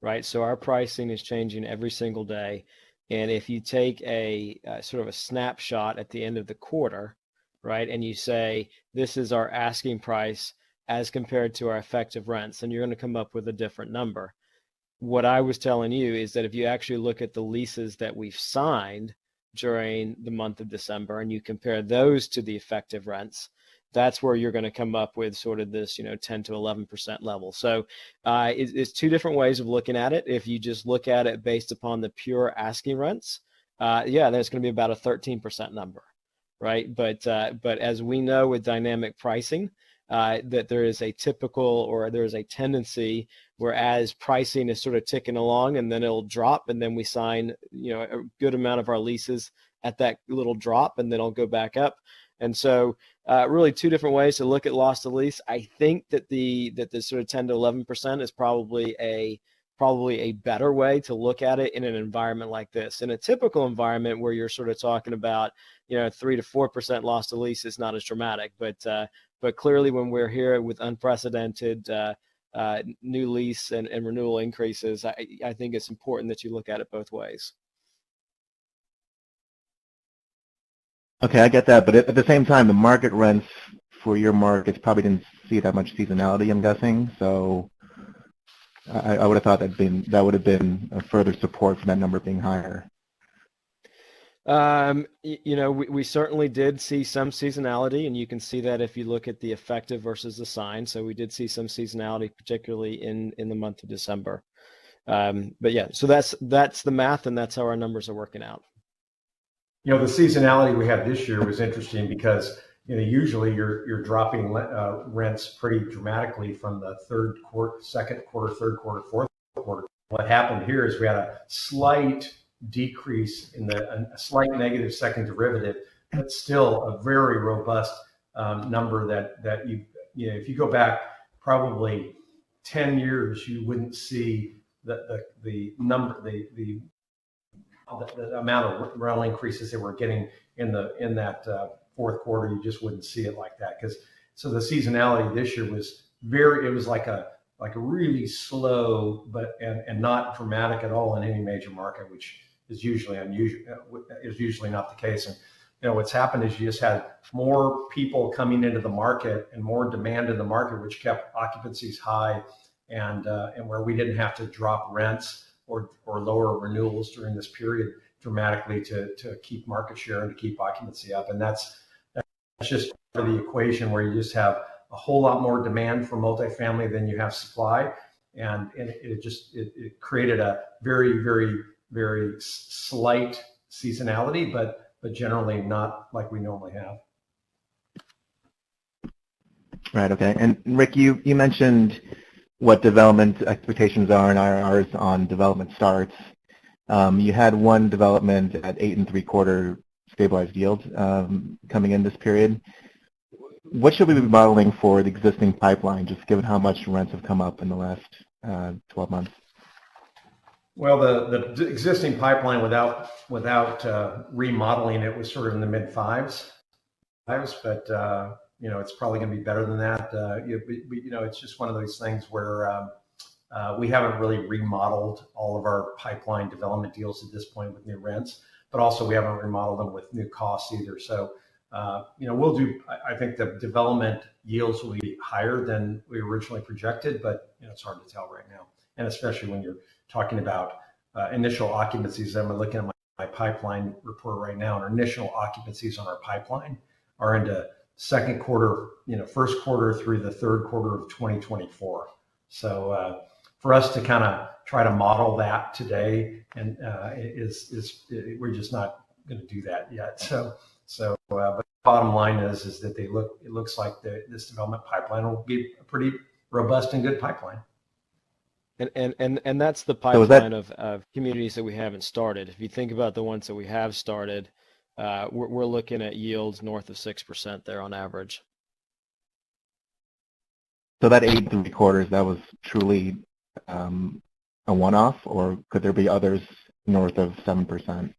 right? Our pricing is changing every single day, and if you take a sort of a snapshot at the end of the quarter, right, and you say, "This is our asking price as compared to our effective rents," then you're gonna come up with a different number. What I was telling you is that if you actually look at the leases that we've signed during the month of December, and you compare those to the effective rents, that's where you're gonna come up with sort of this, you know, 10%-11% level. It's two different ways of looking at it. If you just look at it based upon the pure asking rents, yeah, then it's gonna be about a 13% number, right? As we know with dynamic pricing, that there is a tendency whereas pricing is sort of ticking along, and then it'll drop, and then we sign, you know, a good amount of our leases at that little drop, and then it'll go back up. Really two different ways to look at loss to lease. I think that the sort of 10%-11% is probably a better way to look at it in an environment like this. In a typical environment where you're sort of talking about, you know, 3%-4% loss to lease is not as dramatic. Clearly when we're here with unprecedented new lease and renewal increases, I think it's important that you look at it both ways. Okay, I get that. At the same time, the market rents for your markets probably didn't see that much seasonality, I'm guessing. I would have thought that would have been a further support for that number being higher. You know, we certainly did see some seasonality, and you can see that if you look at the effective versus the signed. We did see some seasonality, particularly in the month of December. Yeah. That's the math and that's how our numbers are working out. You know, the seasonality we had this year was interesting because, you know, usually you're dropping rents pretty dramatically from the second quarter, third quarter, fourth quarter. What happened here is we had a slight decrease, a slight negative second derivative, but still a very robust number that you know, if you go back probably 10 years, you wouldn't see the number, the amount of rental increases that we're getting in that fourth quarter. You just wouldn't see it like that. Because the seasonality this year was very. It was like a really slow but not dramatic at all in any major market, which is usually not the case. You know, what's happened is you just had more people coming into the market and more demand in the market, which kept occupancies high and where we didn't have to drop rents or lower renewals during this period dramatically to keep market share and to keep occupancy up, and that's just for the equation where you just have a whole lot more demand for multi-family than you have supply. It just created a very slight seasonality, but generally not like we normally have. Right. Okay. Rick, you mentioned what development expectations are in IRRs on development starts. You had one development at 8.75% stabilized yields, coming in this period. What should we be modeling for the existing pipeline, just given how much rents have come up in the last, 12 months? Well, the existing pipeline without remodeling it was sort of in the mid-fives, but you know, it's probably gonna be better than that. You know, it's just one of those things where we haven't really remodeled all of our pipeline development deals at this point with new rents, but also we haven't remodeled them with new costs either. You know, I think the development yields will be higher than we originally projected, but you know, it's hard to tell right now, and especially when you're talking about initial occupancies that we're looking at in my pipeline report right now. Our initial occupancies on our pipeline are into second quarter, you know, first quarter through the third quarter of 2024. For us to kind of try to model that today, we're just not gonna do that yet. Bottom line is that it looks like this development pipeline will be a pretty robust and good pipeline. that's the pipeline- Is that? of communities that we haven't started. If you think about the ones that we have started, we're looking at yields north of 6% there on average. That 8.75%, that was truly a one-off or could there be others north of 7%?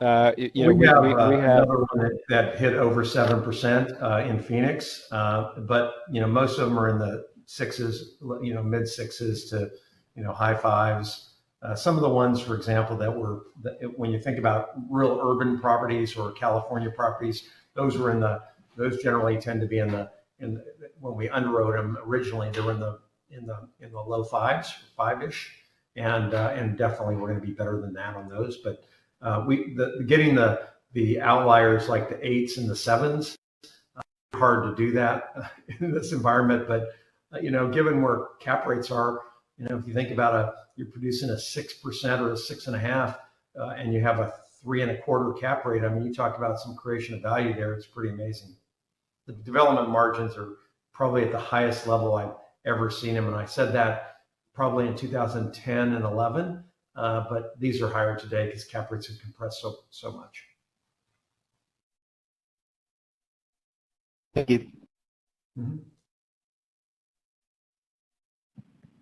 Uh, you know, we, we, we have- We have another one that hit over 7% in Phoenix. You know most of them are in the six's you know mid-six's to you know high five's. Some of the ones for example when you think about really urban properties or California properties those were in the low five's or five-ish when we underwrote them originally. Definitely we're gonna be better than that on those. Getting the outliers like the eight's and the seven's. Hard to do that in this environment. You know, given where cap rates are, you know, if you think about, you're producing a 6% or a 6.5%, and you have a 3.25 cap rate, I mean, you talk about some creation of value there, it's pretty amazing. The development margins are probably at the highest level I've ever seen them, and I said that probably in 2010 and 2011, but these are higher today 'cause cap rates have compressed so much. Thank you. Mm-hmm.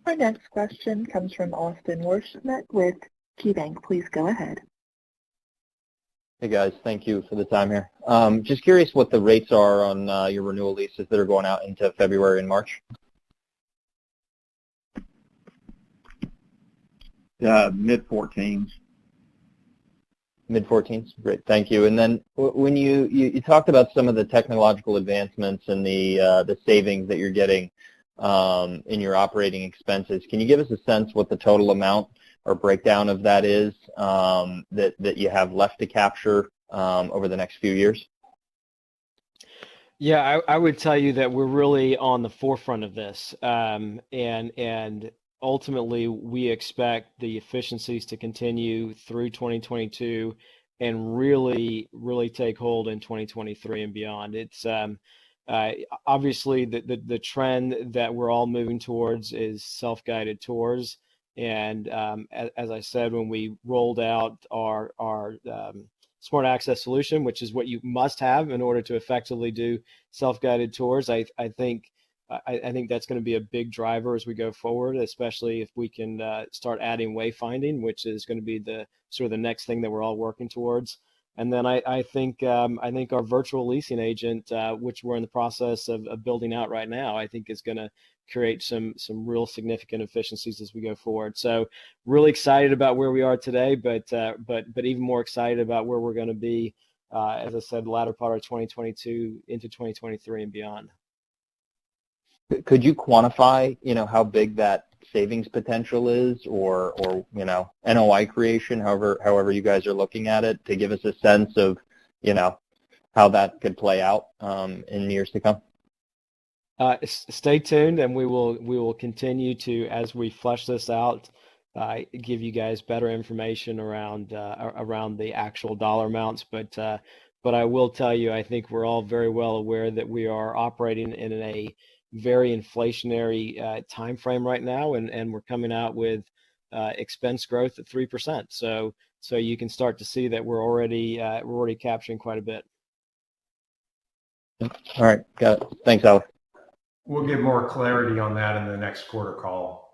Our next question comes from Austin Wurschmidt with KeyBanc. Please go ahead. Hey, guys. Thank you for the time here. Just curious what the rates are on your renewal leases that are going out into February and March? Mid-14s. Mid-14s? Great. Thank you. Then when you talked about some of the technological advancements and the savings that you're getting in your operating expenses. Can you give us a sense of what the total amount or breakdown of that is, that you have left to capture over the next few years? Yeah. I would tell you that we're really on the forefront of this. Ultimately, we expect the efficiencies to continue through 2022, and really take hold in 2023 and beyond. It's obviously the trend that we're all moving towards is self-guided tours. As I said, when we rolled out our Smart Access solution, which is what you must have in order to effectively do self-guided tours, I think that's gonna be a big driver as we go forward, especially if we can start adding wayfinding, which is gonna be the sort of the next thing that we're all working towards. I think our virtual leasing agent, which we're in the process of building out right now, I think is gonna create some real significant efficiencies as we go forward. Really excited about where we are today, but even more excited about where we're gonna be, as I said, the latter part of 2022 into 2023 and beyond. Could you quantify, you know, how big that savings potential is or, you know, NOI creation, however you guys are looking at it, to give us a sense of, you know, how that could play out in years to come? Stay tuned and we will continue to, as we flesh this out, give you guys better information around the actual dollar amounts. I will tell you, I think we're all very well aware that we are operating in a very inflationary timeframe right now, and we're coming out with expense growth at 3%. You can start to see that we're already capturing quite a bit. All right. Got it. Thanks, Alex. We'll give more clarity on that in the next quarter call.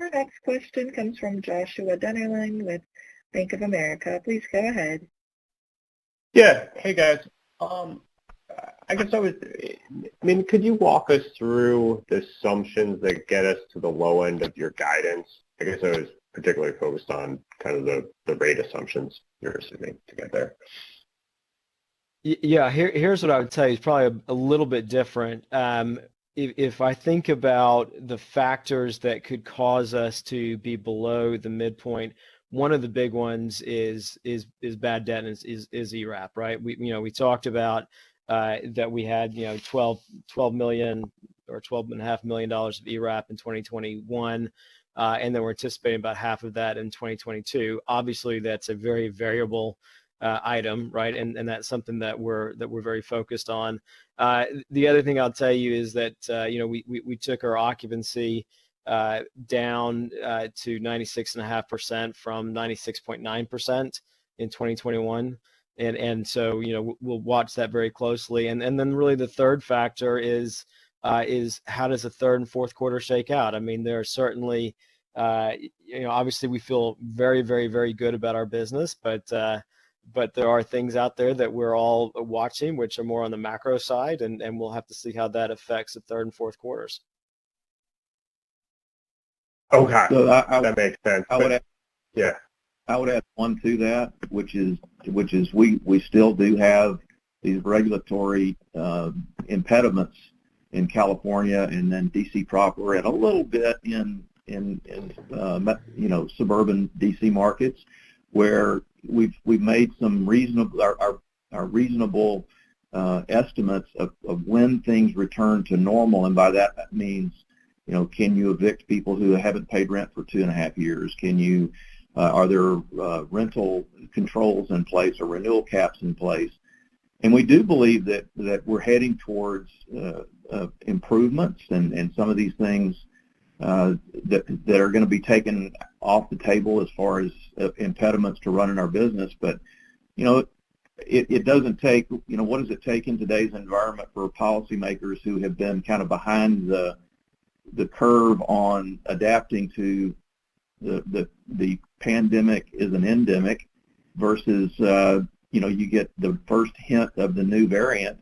Our next question comes from Joshua Dennerlein with Bank of America. Please go ahead. Hey, guys. I mean, could you walk us through the assumptions that get us to the low end of your guidance? I guess I was particularly focused on kind of the rate assumptions you're assuming to get there. Yeah. Here's what I would tell you. It's probably a little bit different. If I think about the factors that could cause us to be below the midpoint, one of the big ones is bad debt and ERAP, right? You know, we talked about that we had $12 million or $12.5 million of ERAP in 2021, and then we're anticipating about half of that in 2022. Obviously, that's a very variable item, right? That's something that we're very focused on. The other thing I'll tell you is that you know, we took our occupancy down to 96.5% from 96.9% in 2021. You know, we'll watch that very closely. Really the third factor is how does the third and fourth quarter shake out? I mean, there are certainly you know, obviously we feel very good about our business, but there are things out there that we're all watching, which are more on the macro side, and we'll have to see how that affects the third and fourth quarters. Okay. I would That makes sense. I would add. Yeah. I would add one to that, which is we still do have these regulatory impediments in California and then D.C. proper, and a little bit in you know, suburban D.C. markets, where we've made some reasonable estimates of when things return to normal, and by that means you know, can you evict people who haven't paid rent for 2.5 years? Are there rental controls in place or renewal caps in place? We do believe that we're heading towards improvements and some of these things that are gonna be taken off the table as far as impediments to running our business. You know, it doesn't take. You know, what does it take in today's environment for policymakers who have been kind of behind the curve on adapting to the pandemic as an endemic versus, you know, you get the first hint of the new variant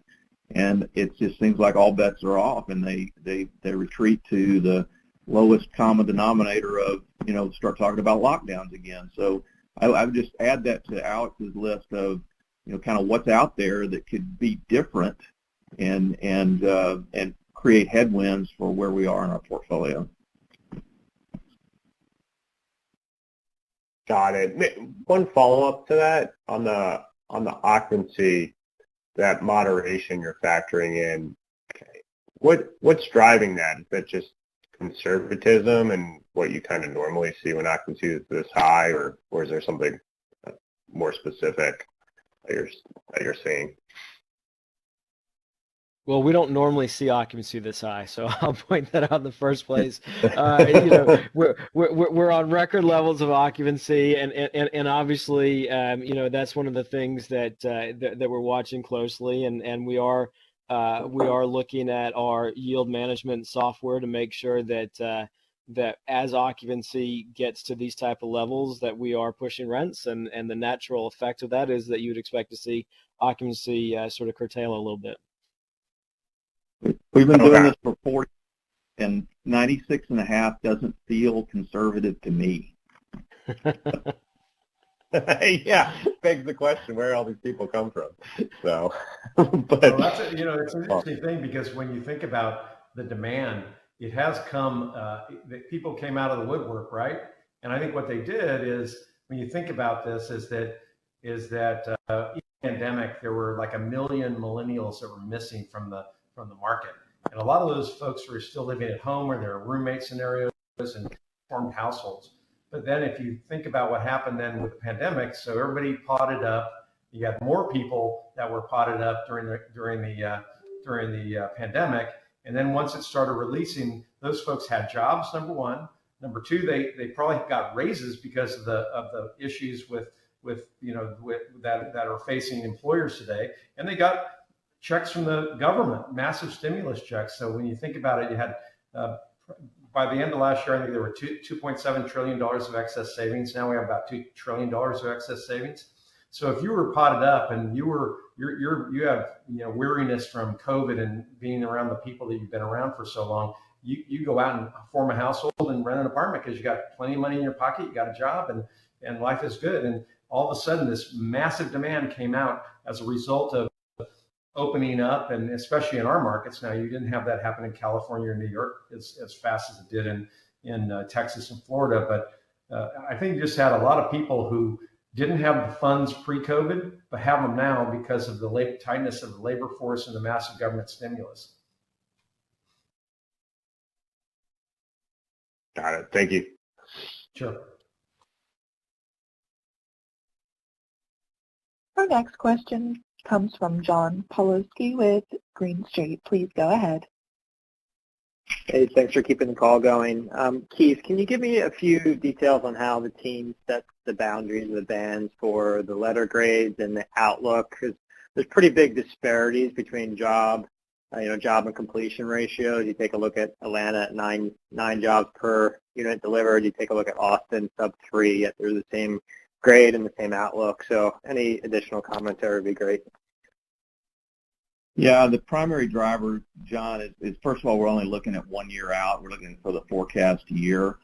and it just seems like all bets are off, and they retreat to the lowest common denominator of, you know, start talking about lockdowns again. I would just add that to Alex's list of, you know, kind of what's out there that could be different and create headwinds for where we are in our portfolio. Got it. One follow-up to that. On the occupancy, that moderation you're factoring in. Okay. What's driving that? Is that just conservatism and what you kind of normally see when occupancy is this high, or is there something more specific that you're seeing? Well, we don't normally see occupancy this high, so I'll point that out in the first place. You know, we're on record levels of occupancy and obviously, you know, that's one of the things that we're watching closely and we are looking at our yield management software to make sure that as occupancy gets to these type of levels, that we are pushing rents and the natural effect of that is that you would expect to see occupancy sort of curtail a little bit. Okay. We've been doing this for 40. 96.5 doesn't feel conservative to me. Yeah. Begs the question, where did all these people come from? Well, you know, that's an interesting thing because when you think about the demand, it has come. The people came out of the woodwork, right? I think what they did is, when you think about this, is that in the pandemic, there were like 1 million millennials that were missing from the market. A lot of those folks were still living at home or they were roommate scenarios and formed households. If you think about what happened then with the pandemic, everybody doubled up. You had more people that were doubled up during the pandemic. Once it started releasing, those folks had jobs, number one. Number two, they probably got raises because of the issues with, you know, that are facing employers today. They got checks from the government, massive stimulus checks. When you think about it, probably by the end of last year, I think there were $2.7 trillion of excess savings. Now, we have about $2 trillion of excess savings. If you were cooped up and you have, you know, weariness from COVID and being around the people that you've been around for so long, you go out and form a household and rent an apartment 'cause you got plenty of money in your pocket, you got a job, and life is good. All of a sudden, this massive demand came out as a result of opening up, and especially in our markets. Now, you didn't have that happen in California or New York as fast as it did in Texas and Florida. I think you just had a lot of people who didn't have the funds pre-COVID, but have them now because of the tightness of the labor force and the massive government stimulus. Got it. Thank you. Sure. Our next question comes from John Pawlowski with Green Street. Please go ahead. Hey, thanks for keeping the call going. Keith, can you give me a few details on how the team sets the boundaries of the bands for the letter grades and the outlook? 'Cause there's pretty big disparities between jobs and completion ratios. You take a look at Atlanta, at nine jobs per unit delivered. You take a look at Austin, sub three, yet they're the same grade and the same outlook. Any additional commentary would be great. Yeah. The primary driver, John, is first of all, we're only looking at one year out. We're looking for the forecast year.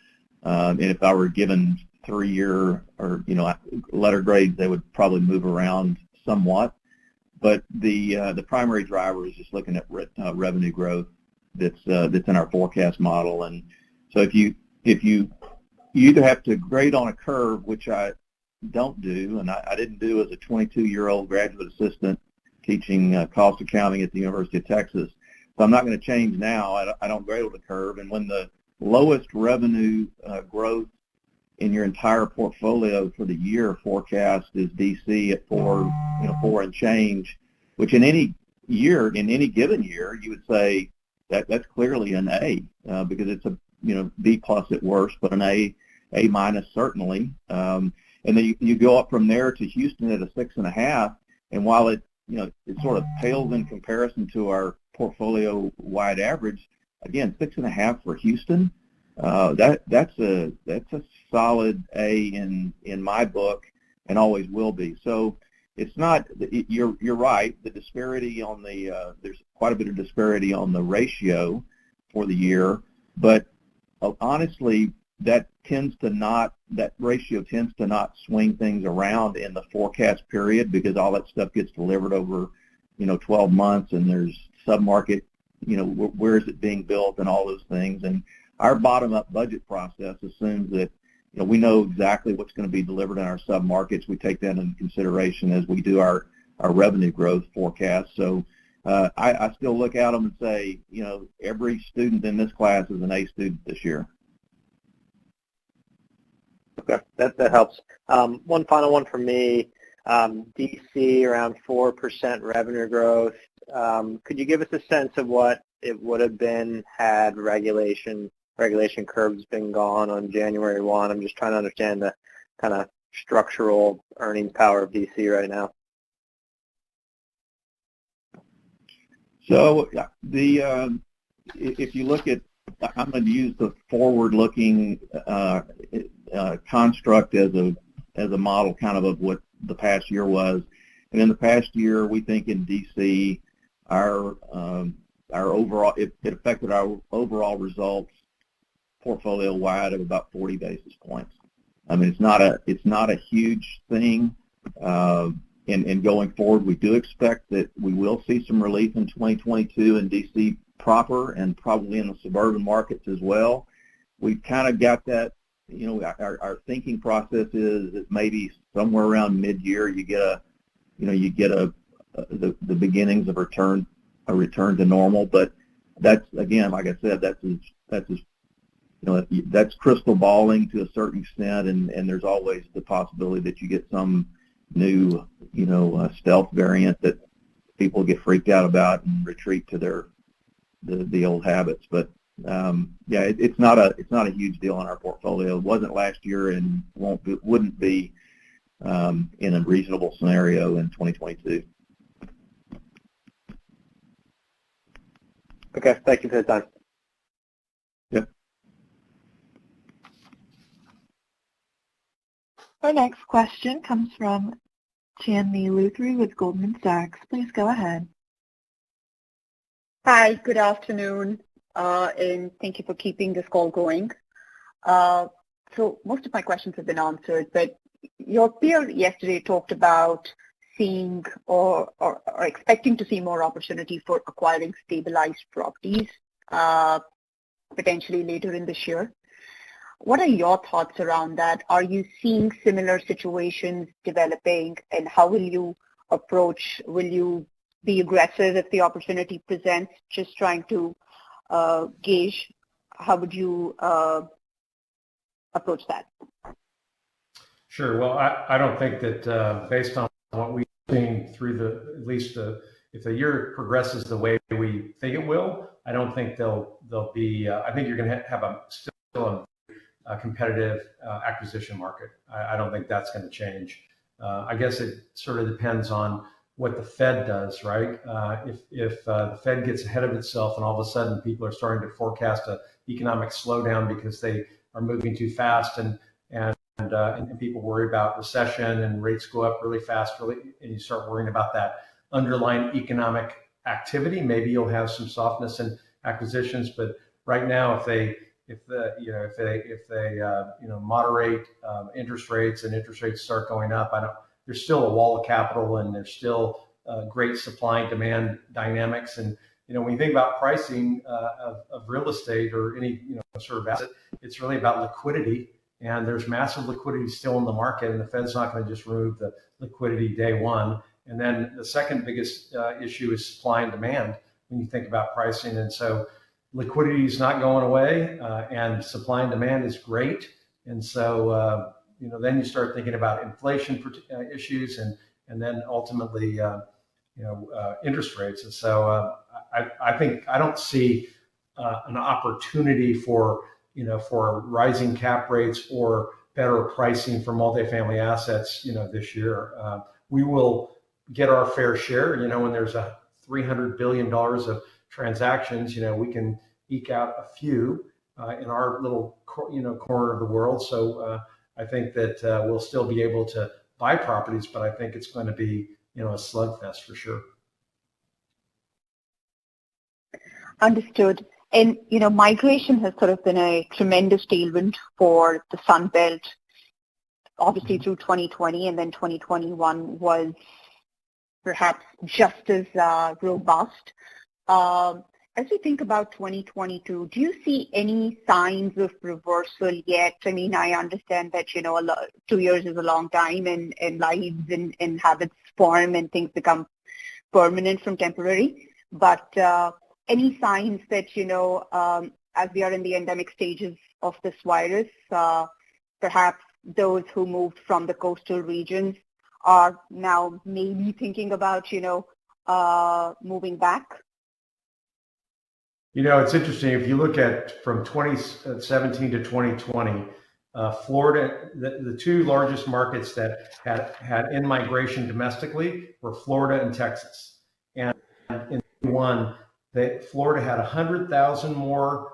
If I were given three-year or, you know, letter grades, they would probably move around somewhat. The primary driver is just looking at revenue growth that's in our forecast model. If you... You either have to grade on a curve, which I don't do, and I didn't do as a 22-year-old graduate assistant teaching cost accounting at the University of Texas. I'm not gonna change now. I don't grade with a curve. When the lowest revenue growth in your entire portfolio for the year forecast is D.C. at 4%, you know, four and change, which in any year, in any given year, you would say that that's clearly an A, because it's a you know B+ at worst, but an A- certainly. Then you go up from there to Houston at a 6.5%, and while it you know it sort of pales in comparison to our portfolio-wide average, again, 6.5% for Houston, that that's a solid A in my book and always will be. It's not. You're right. The disparity on the. There's quite a bit of disparity on the ratio for the year. Honestly, that tends to not. That ratio tends to not swing things around in the forecast period because all that stuff gets delivered over, you know, 12 months and there's sub-market, you know, where is it being built and all those things. Our bottom-up budget process assumes that, you know, we know exactly what's gonna be delivered in our sub-markets. We take that into consideration as we do our revenue growth forecast. I still look at them and say, "You know, every student in this class is an A student this year. Okay. That helps. One final one from me. D.C., around 4% revenue growth. Could you give us a sense of what it would have been had regulation curbs been gone on January 1? I'm just trying to understand the kind of structural earning power of D.C. right now. If you look at, I'm gonna use the forward-looking construct as a model kind of of what the past year was. In the past year, we think in D.C. it affected our overall results portfolio-wide of about 40 basis points. I mean, it's not a huge thing, and going forward, we do expect that we will see some relief in 2022 in D.C. proper and probably in the suburban markets as well. We've kind of got that. You know, our thinking process is that maybe somewhere around midyear you get a, you know, the beginnings of a return to normal. That's again, like I said, that's crystal balling to a certain extent, and there's always the possibility that you get some new, you know, stealth variant that people get freaked out about and retreat to their old habits. Yeah, it's not a huge deal in our portfolio. It wasn't last year and wouldn't be in a reasonable scenario in 2022. Okay. Thank you for the time. Yeah. Our next question comes from Chandni Luthra with Goldman Sachs. Please go ahead. Hi, good afternoon, and thank you for keeping this call going. Most of my questions have been answered, but your 8-K yesterday talked about seeing or expecting to see more opportunity for acquiring stabilized properties, potentially later in this year. What are your thoughts around that? Are you seeing similar situations developing, and how will you approach? Will you be aggressive if the opportunity presents? Just trying to gauge how would you approach that. Sure. Well, I don't think that based on what we've seen through the year, at least if the year progresses the way we think it will, I don't think there'll be. I think you're gonna have a still competitive acquisition market. I don't think that's gonna change. I guess it sort of depends on what the Fed does, right? If the Fed gets ahead of itself, and all of a sudden people are starting to forecast an economic slowdown because they are moving too fast and people worry about recession, and rates go up really fast. You start worrying about that underlying economic activity, maybe you'll have some softness in acquisitions. Right now, if they moderate interest rates and interest rates start going up, I don't think. There's still a wall of capital, and there's still great supply and demand dynamics. You know, when you think about pricing of real estate or any sort of asset, it's really about liquidity, and there's massive liquidity still in the market, and the Fed's not gonna just remove the liquidity day one. Then the second biggest issue is supply and demand when you think about pricing. Liquidity is not going away, and supply and demand is great. You know, then you start thinking about inflation issues and then ultimately interest rates. I think. I don't see an opportunity for, you know, for rising cap rates or better pricing for multifamily assets, you know, this year. We will get our fair share. You know, when there's $300 billion of transactions, you know, we can eke out a few in our little corner of the world. I think that we'll still be able to buy properties, but I think it's gonna be, you know, a slugfest for sure. Understood. You know, migration has sort of been a tremendous tailwind for the Sun Belt, obviously through 2020, and then 2021 was perhaps just as robust. As we think about 2022, do you see any signs of reversal yet? I mean, I understand that, you know, two years is a long time and lives and habits form and things become permanent from temporary. Any signs that, you know, as we are in the endemic stages of this virus, perhaps those who moved from the coastal regions are now maybe thinking about, you know, moving back? You know, it's interesting. If you look at from 2017 to 2020, Florida. The two largest markets that had in-migration domestically were Florida and Texas. In 2021, Florida had 100,000 more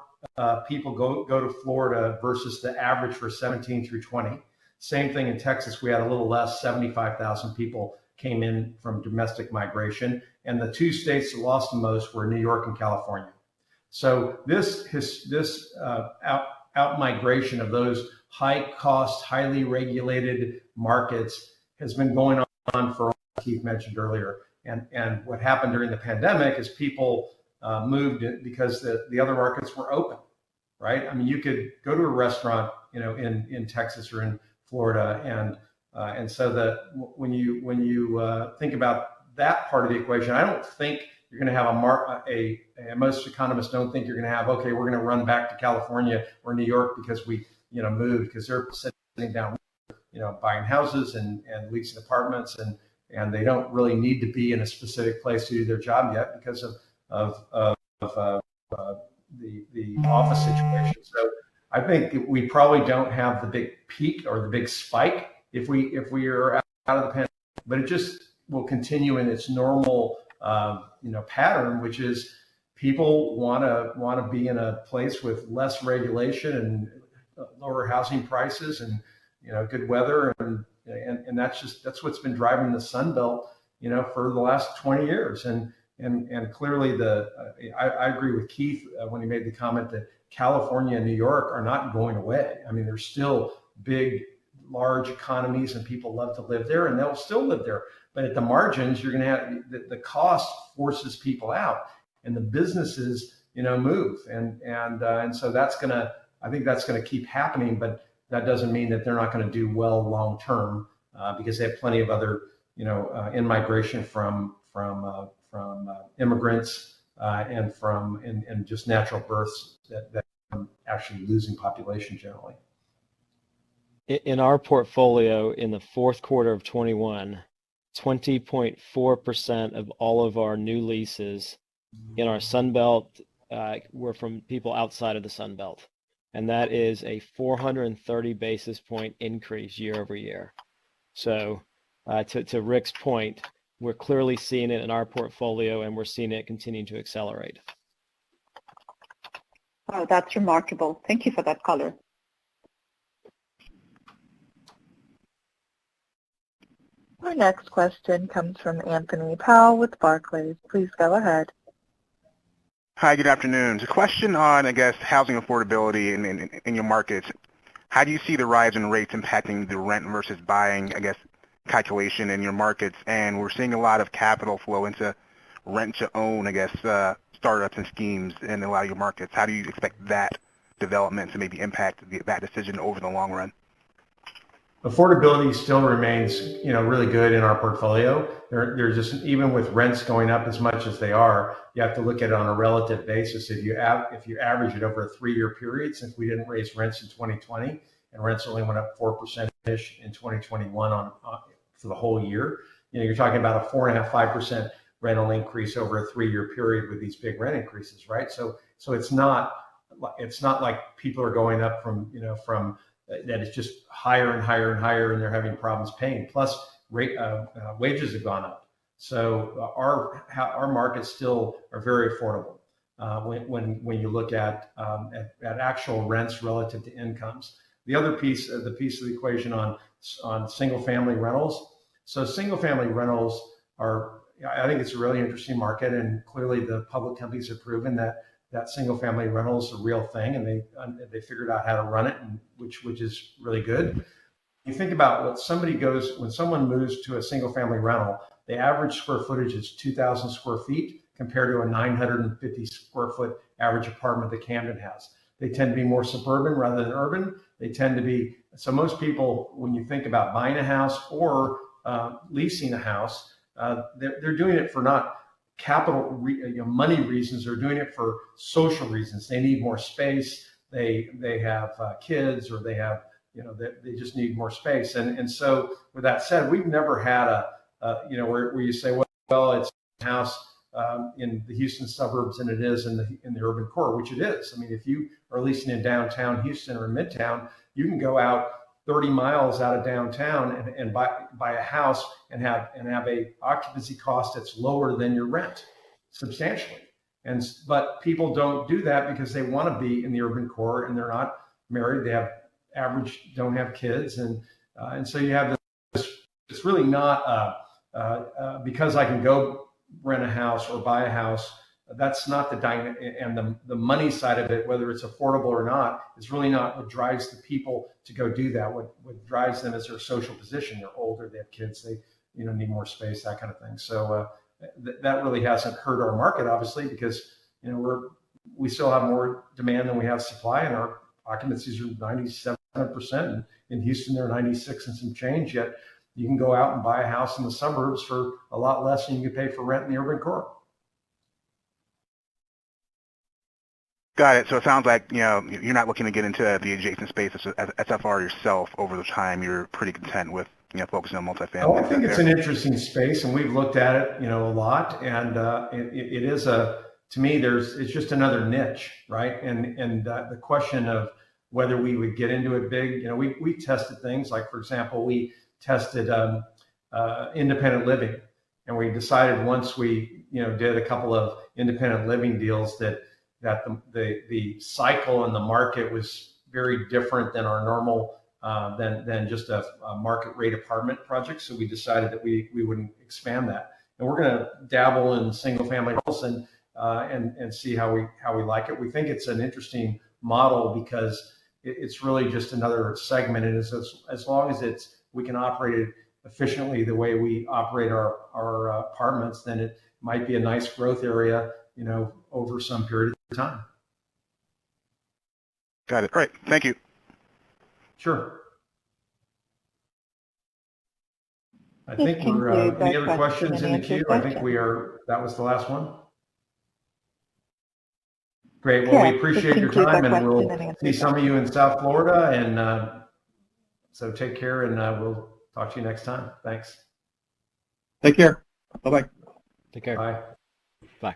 people go to Florida versus the average for 2017 through 2020. Same thing in Texas. We had a little less, 75,000 people came in from domestic migration, and the two states that lost the most were New York and California. This out-migration of those high-cost, highly regulated markets has been going on, as Keith mentioned earlier. What happened during the pandemic is people moved because the other markets were open, right? I mean, you could go to a restaurant, you know, in Texas or in Florida and so that when you think about that part of the equation, I don't think you're gonna have. Most economists don't think you're gonna have, "Okay, we're gonna run back to California or New York because we, you know, moved." Because they're settling down you know, buying houses and leasing apartments and they don't really need to be in a specific place to do their job yet because of the office situation. I think we probably don't have the big peak or the big spike if we are out of the pandemic. It just will continue in its normal, you know, pattern, which is people wanna be in a place with less regulation and lower housing prices and, you know, good weather and that's just what's been driving the Sun Belt, you know, for the last 20 years. Clearly I agree with Keith when he made the comment that California and New York are not going away. I mean, they're still big, large economies and people love to live there, and they'll still live there. At the margins, you're gonna have the cost forces people out, and the businesses, you know, move, and so that's gonna. I think that's gonna keep happening, but that doesn't mean that they're not gonna do well long term, because they have plenty of other, you know, in-migration from immigrants, and just natural births that actually losing population generally. In our portfolio in the fourth quarter of 2021, 20.4% of all of our new leases- Mm-hmm... in our Sun Belt were from people outside of the Sun Belt, and that is a 430 basis point increase year-over-year. To Rick's point, we're clearly seeing it in our portfolio, and we're seeing it continuing to accelerate. Oh, that's remarkable. Thank you for that color. Our next question comes from Anthony Powell with Barclays. Please go ahead. Hi. Good afternoon. The question on, I guess, housing affordability in your markets, how do you see the rise in rates impacting the rent versus buying, I guess, calculation in your markets? We're seeing a lot of capital flow into rent-to-own, I guess, startups and schemes in a lot of your markets. How do you expect that development to maybe impact that decision over the long run? Affordability still remains, you know, really good in our portfolio. There's just. Even with rents going up as much as they are, you have to look at it on a relative basis. If you average it over a three-year period, since we didn't raise rents in 2020, and rents only went up 4%-ish in 2021 on for the whole year, you know, you're talking about a 4% and a 5% rental increase over a three-year period with these big rent increases, right? It's not like people are going up from, you know, from that it's just higher, and higher, and higher, and they're having problems paying. Plus rates and wages have gone up. Our markets still are very affordable when you look at actual rents relative to incomes. The other piece of the equation on single family rentals. Single family rentals are a really interesting market, and clearly the public companies have proven that single family rental is a real thing, and they figured out how to run it, which is really good. When someone moves to a single family rental, the average square footage is 2,000 sq ft compared to a 950 sq ft average apartment that Camden has. They tend to be more suburban rather than urban. Most people, when you think about buying a house or leasing a house, they're doing it for not capital, you know, money reasons, they're doing it for social reasons. They need more space. They have kids or they have you know. They just need more space. So with that said, we've never had a you know where you say, "Well, it's a house in the Houston suburbs than it is in the urban core," which it is. I mean, if you are leasing in downtown Houston or in Midtown, you can go out 30 miles out of downtown and buy a house and have a occupancy cost that's lower than your rent substantially. But people don't do that because they wanna be in the urban core, and they're not married. They have average don't have kids. So you have this. It's really not because I can go rent a house or buy a house. The money side of it, whether it's affordable or not, is really not what drives the people to go do that. What drives them is their social position. They're older. They have kids. They, you know, need more space, that kind of thing. That really hasn't hurt our market obviously because, you know, we still have more demand than we have supply, and our occupancies are 97%. In Houston, they're 96% and some change. Yet, you can go out and buy a house in the suburbs for a lot less than you pay for rent in the urban core. Got it. It sounds like, you know, you're not looking to get into the adjacent space as SFR yourself over time. You're pretty content with, you know, focusing on multifamily for now. Oh, I think it's an interesting space, and we've looked at it, you know, a lot. To me, it's just another niche, right? The question of whether we would get into it big, you know, we tested things. Like for example, we tested independent living, and we decided once we, you know, did a couple of independent living deals that the cycle in the market was very different than our normal than just a market rate apartment project. We decided that we wouldn't expand that. We're gonna dabble in single family rentals and see how we like it. We think it's an interesting model because it's really just another segment. As long as it's. We can operate it efficiently the way we operate our apartments, then it might be a nice growth area, you know, over some period of time. Got it. Great. Thank you. Sure. I think we're Please conclude by pressing the answer button Do we have any other questions in the queue? I think we are. That was the last one. Great. Yes. Well, we appreciate your time. Please conclude by pressing the answer button We'll see some of you in South Florida. Take care, and we'll talk to you next time. Thanks. Take care. Bye-bye. Take care. Bye. Bye.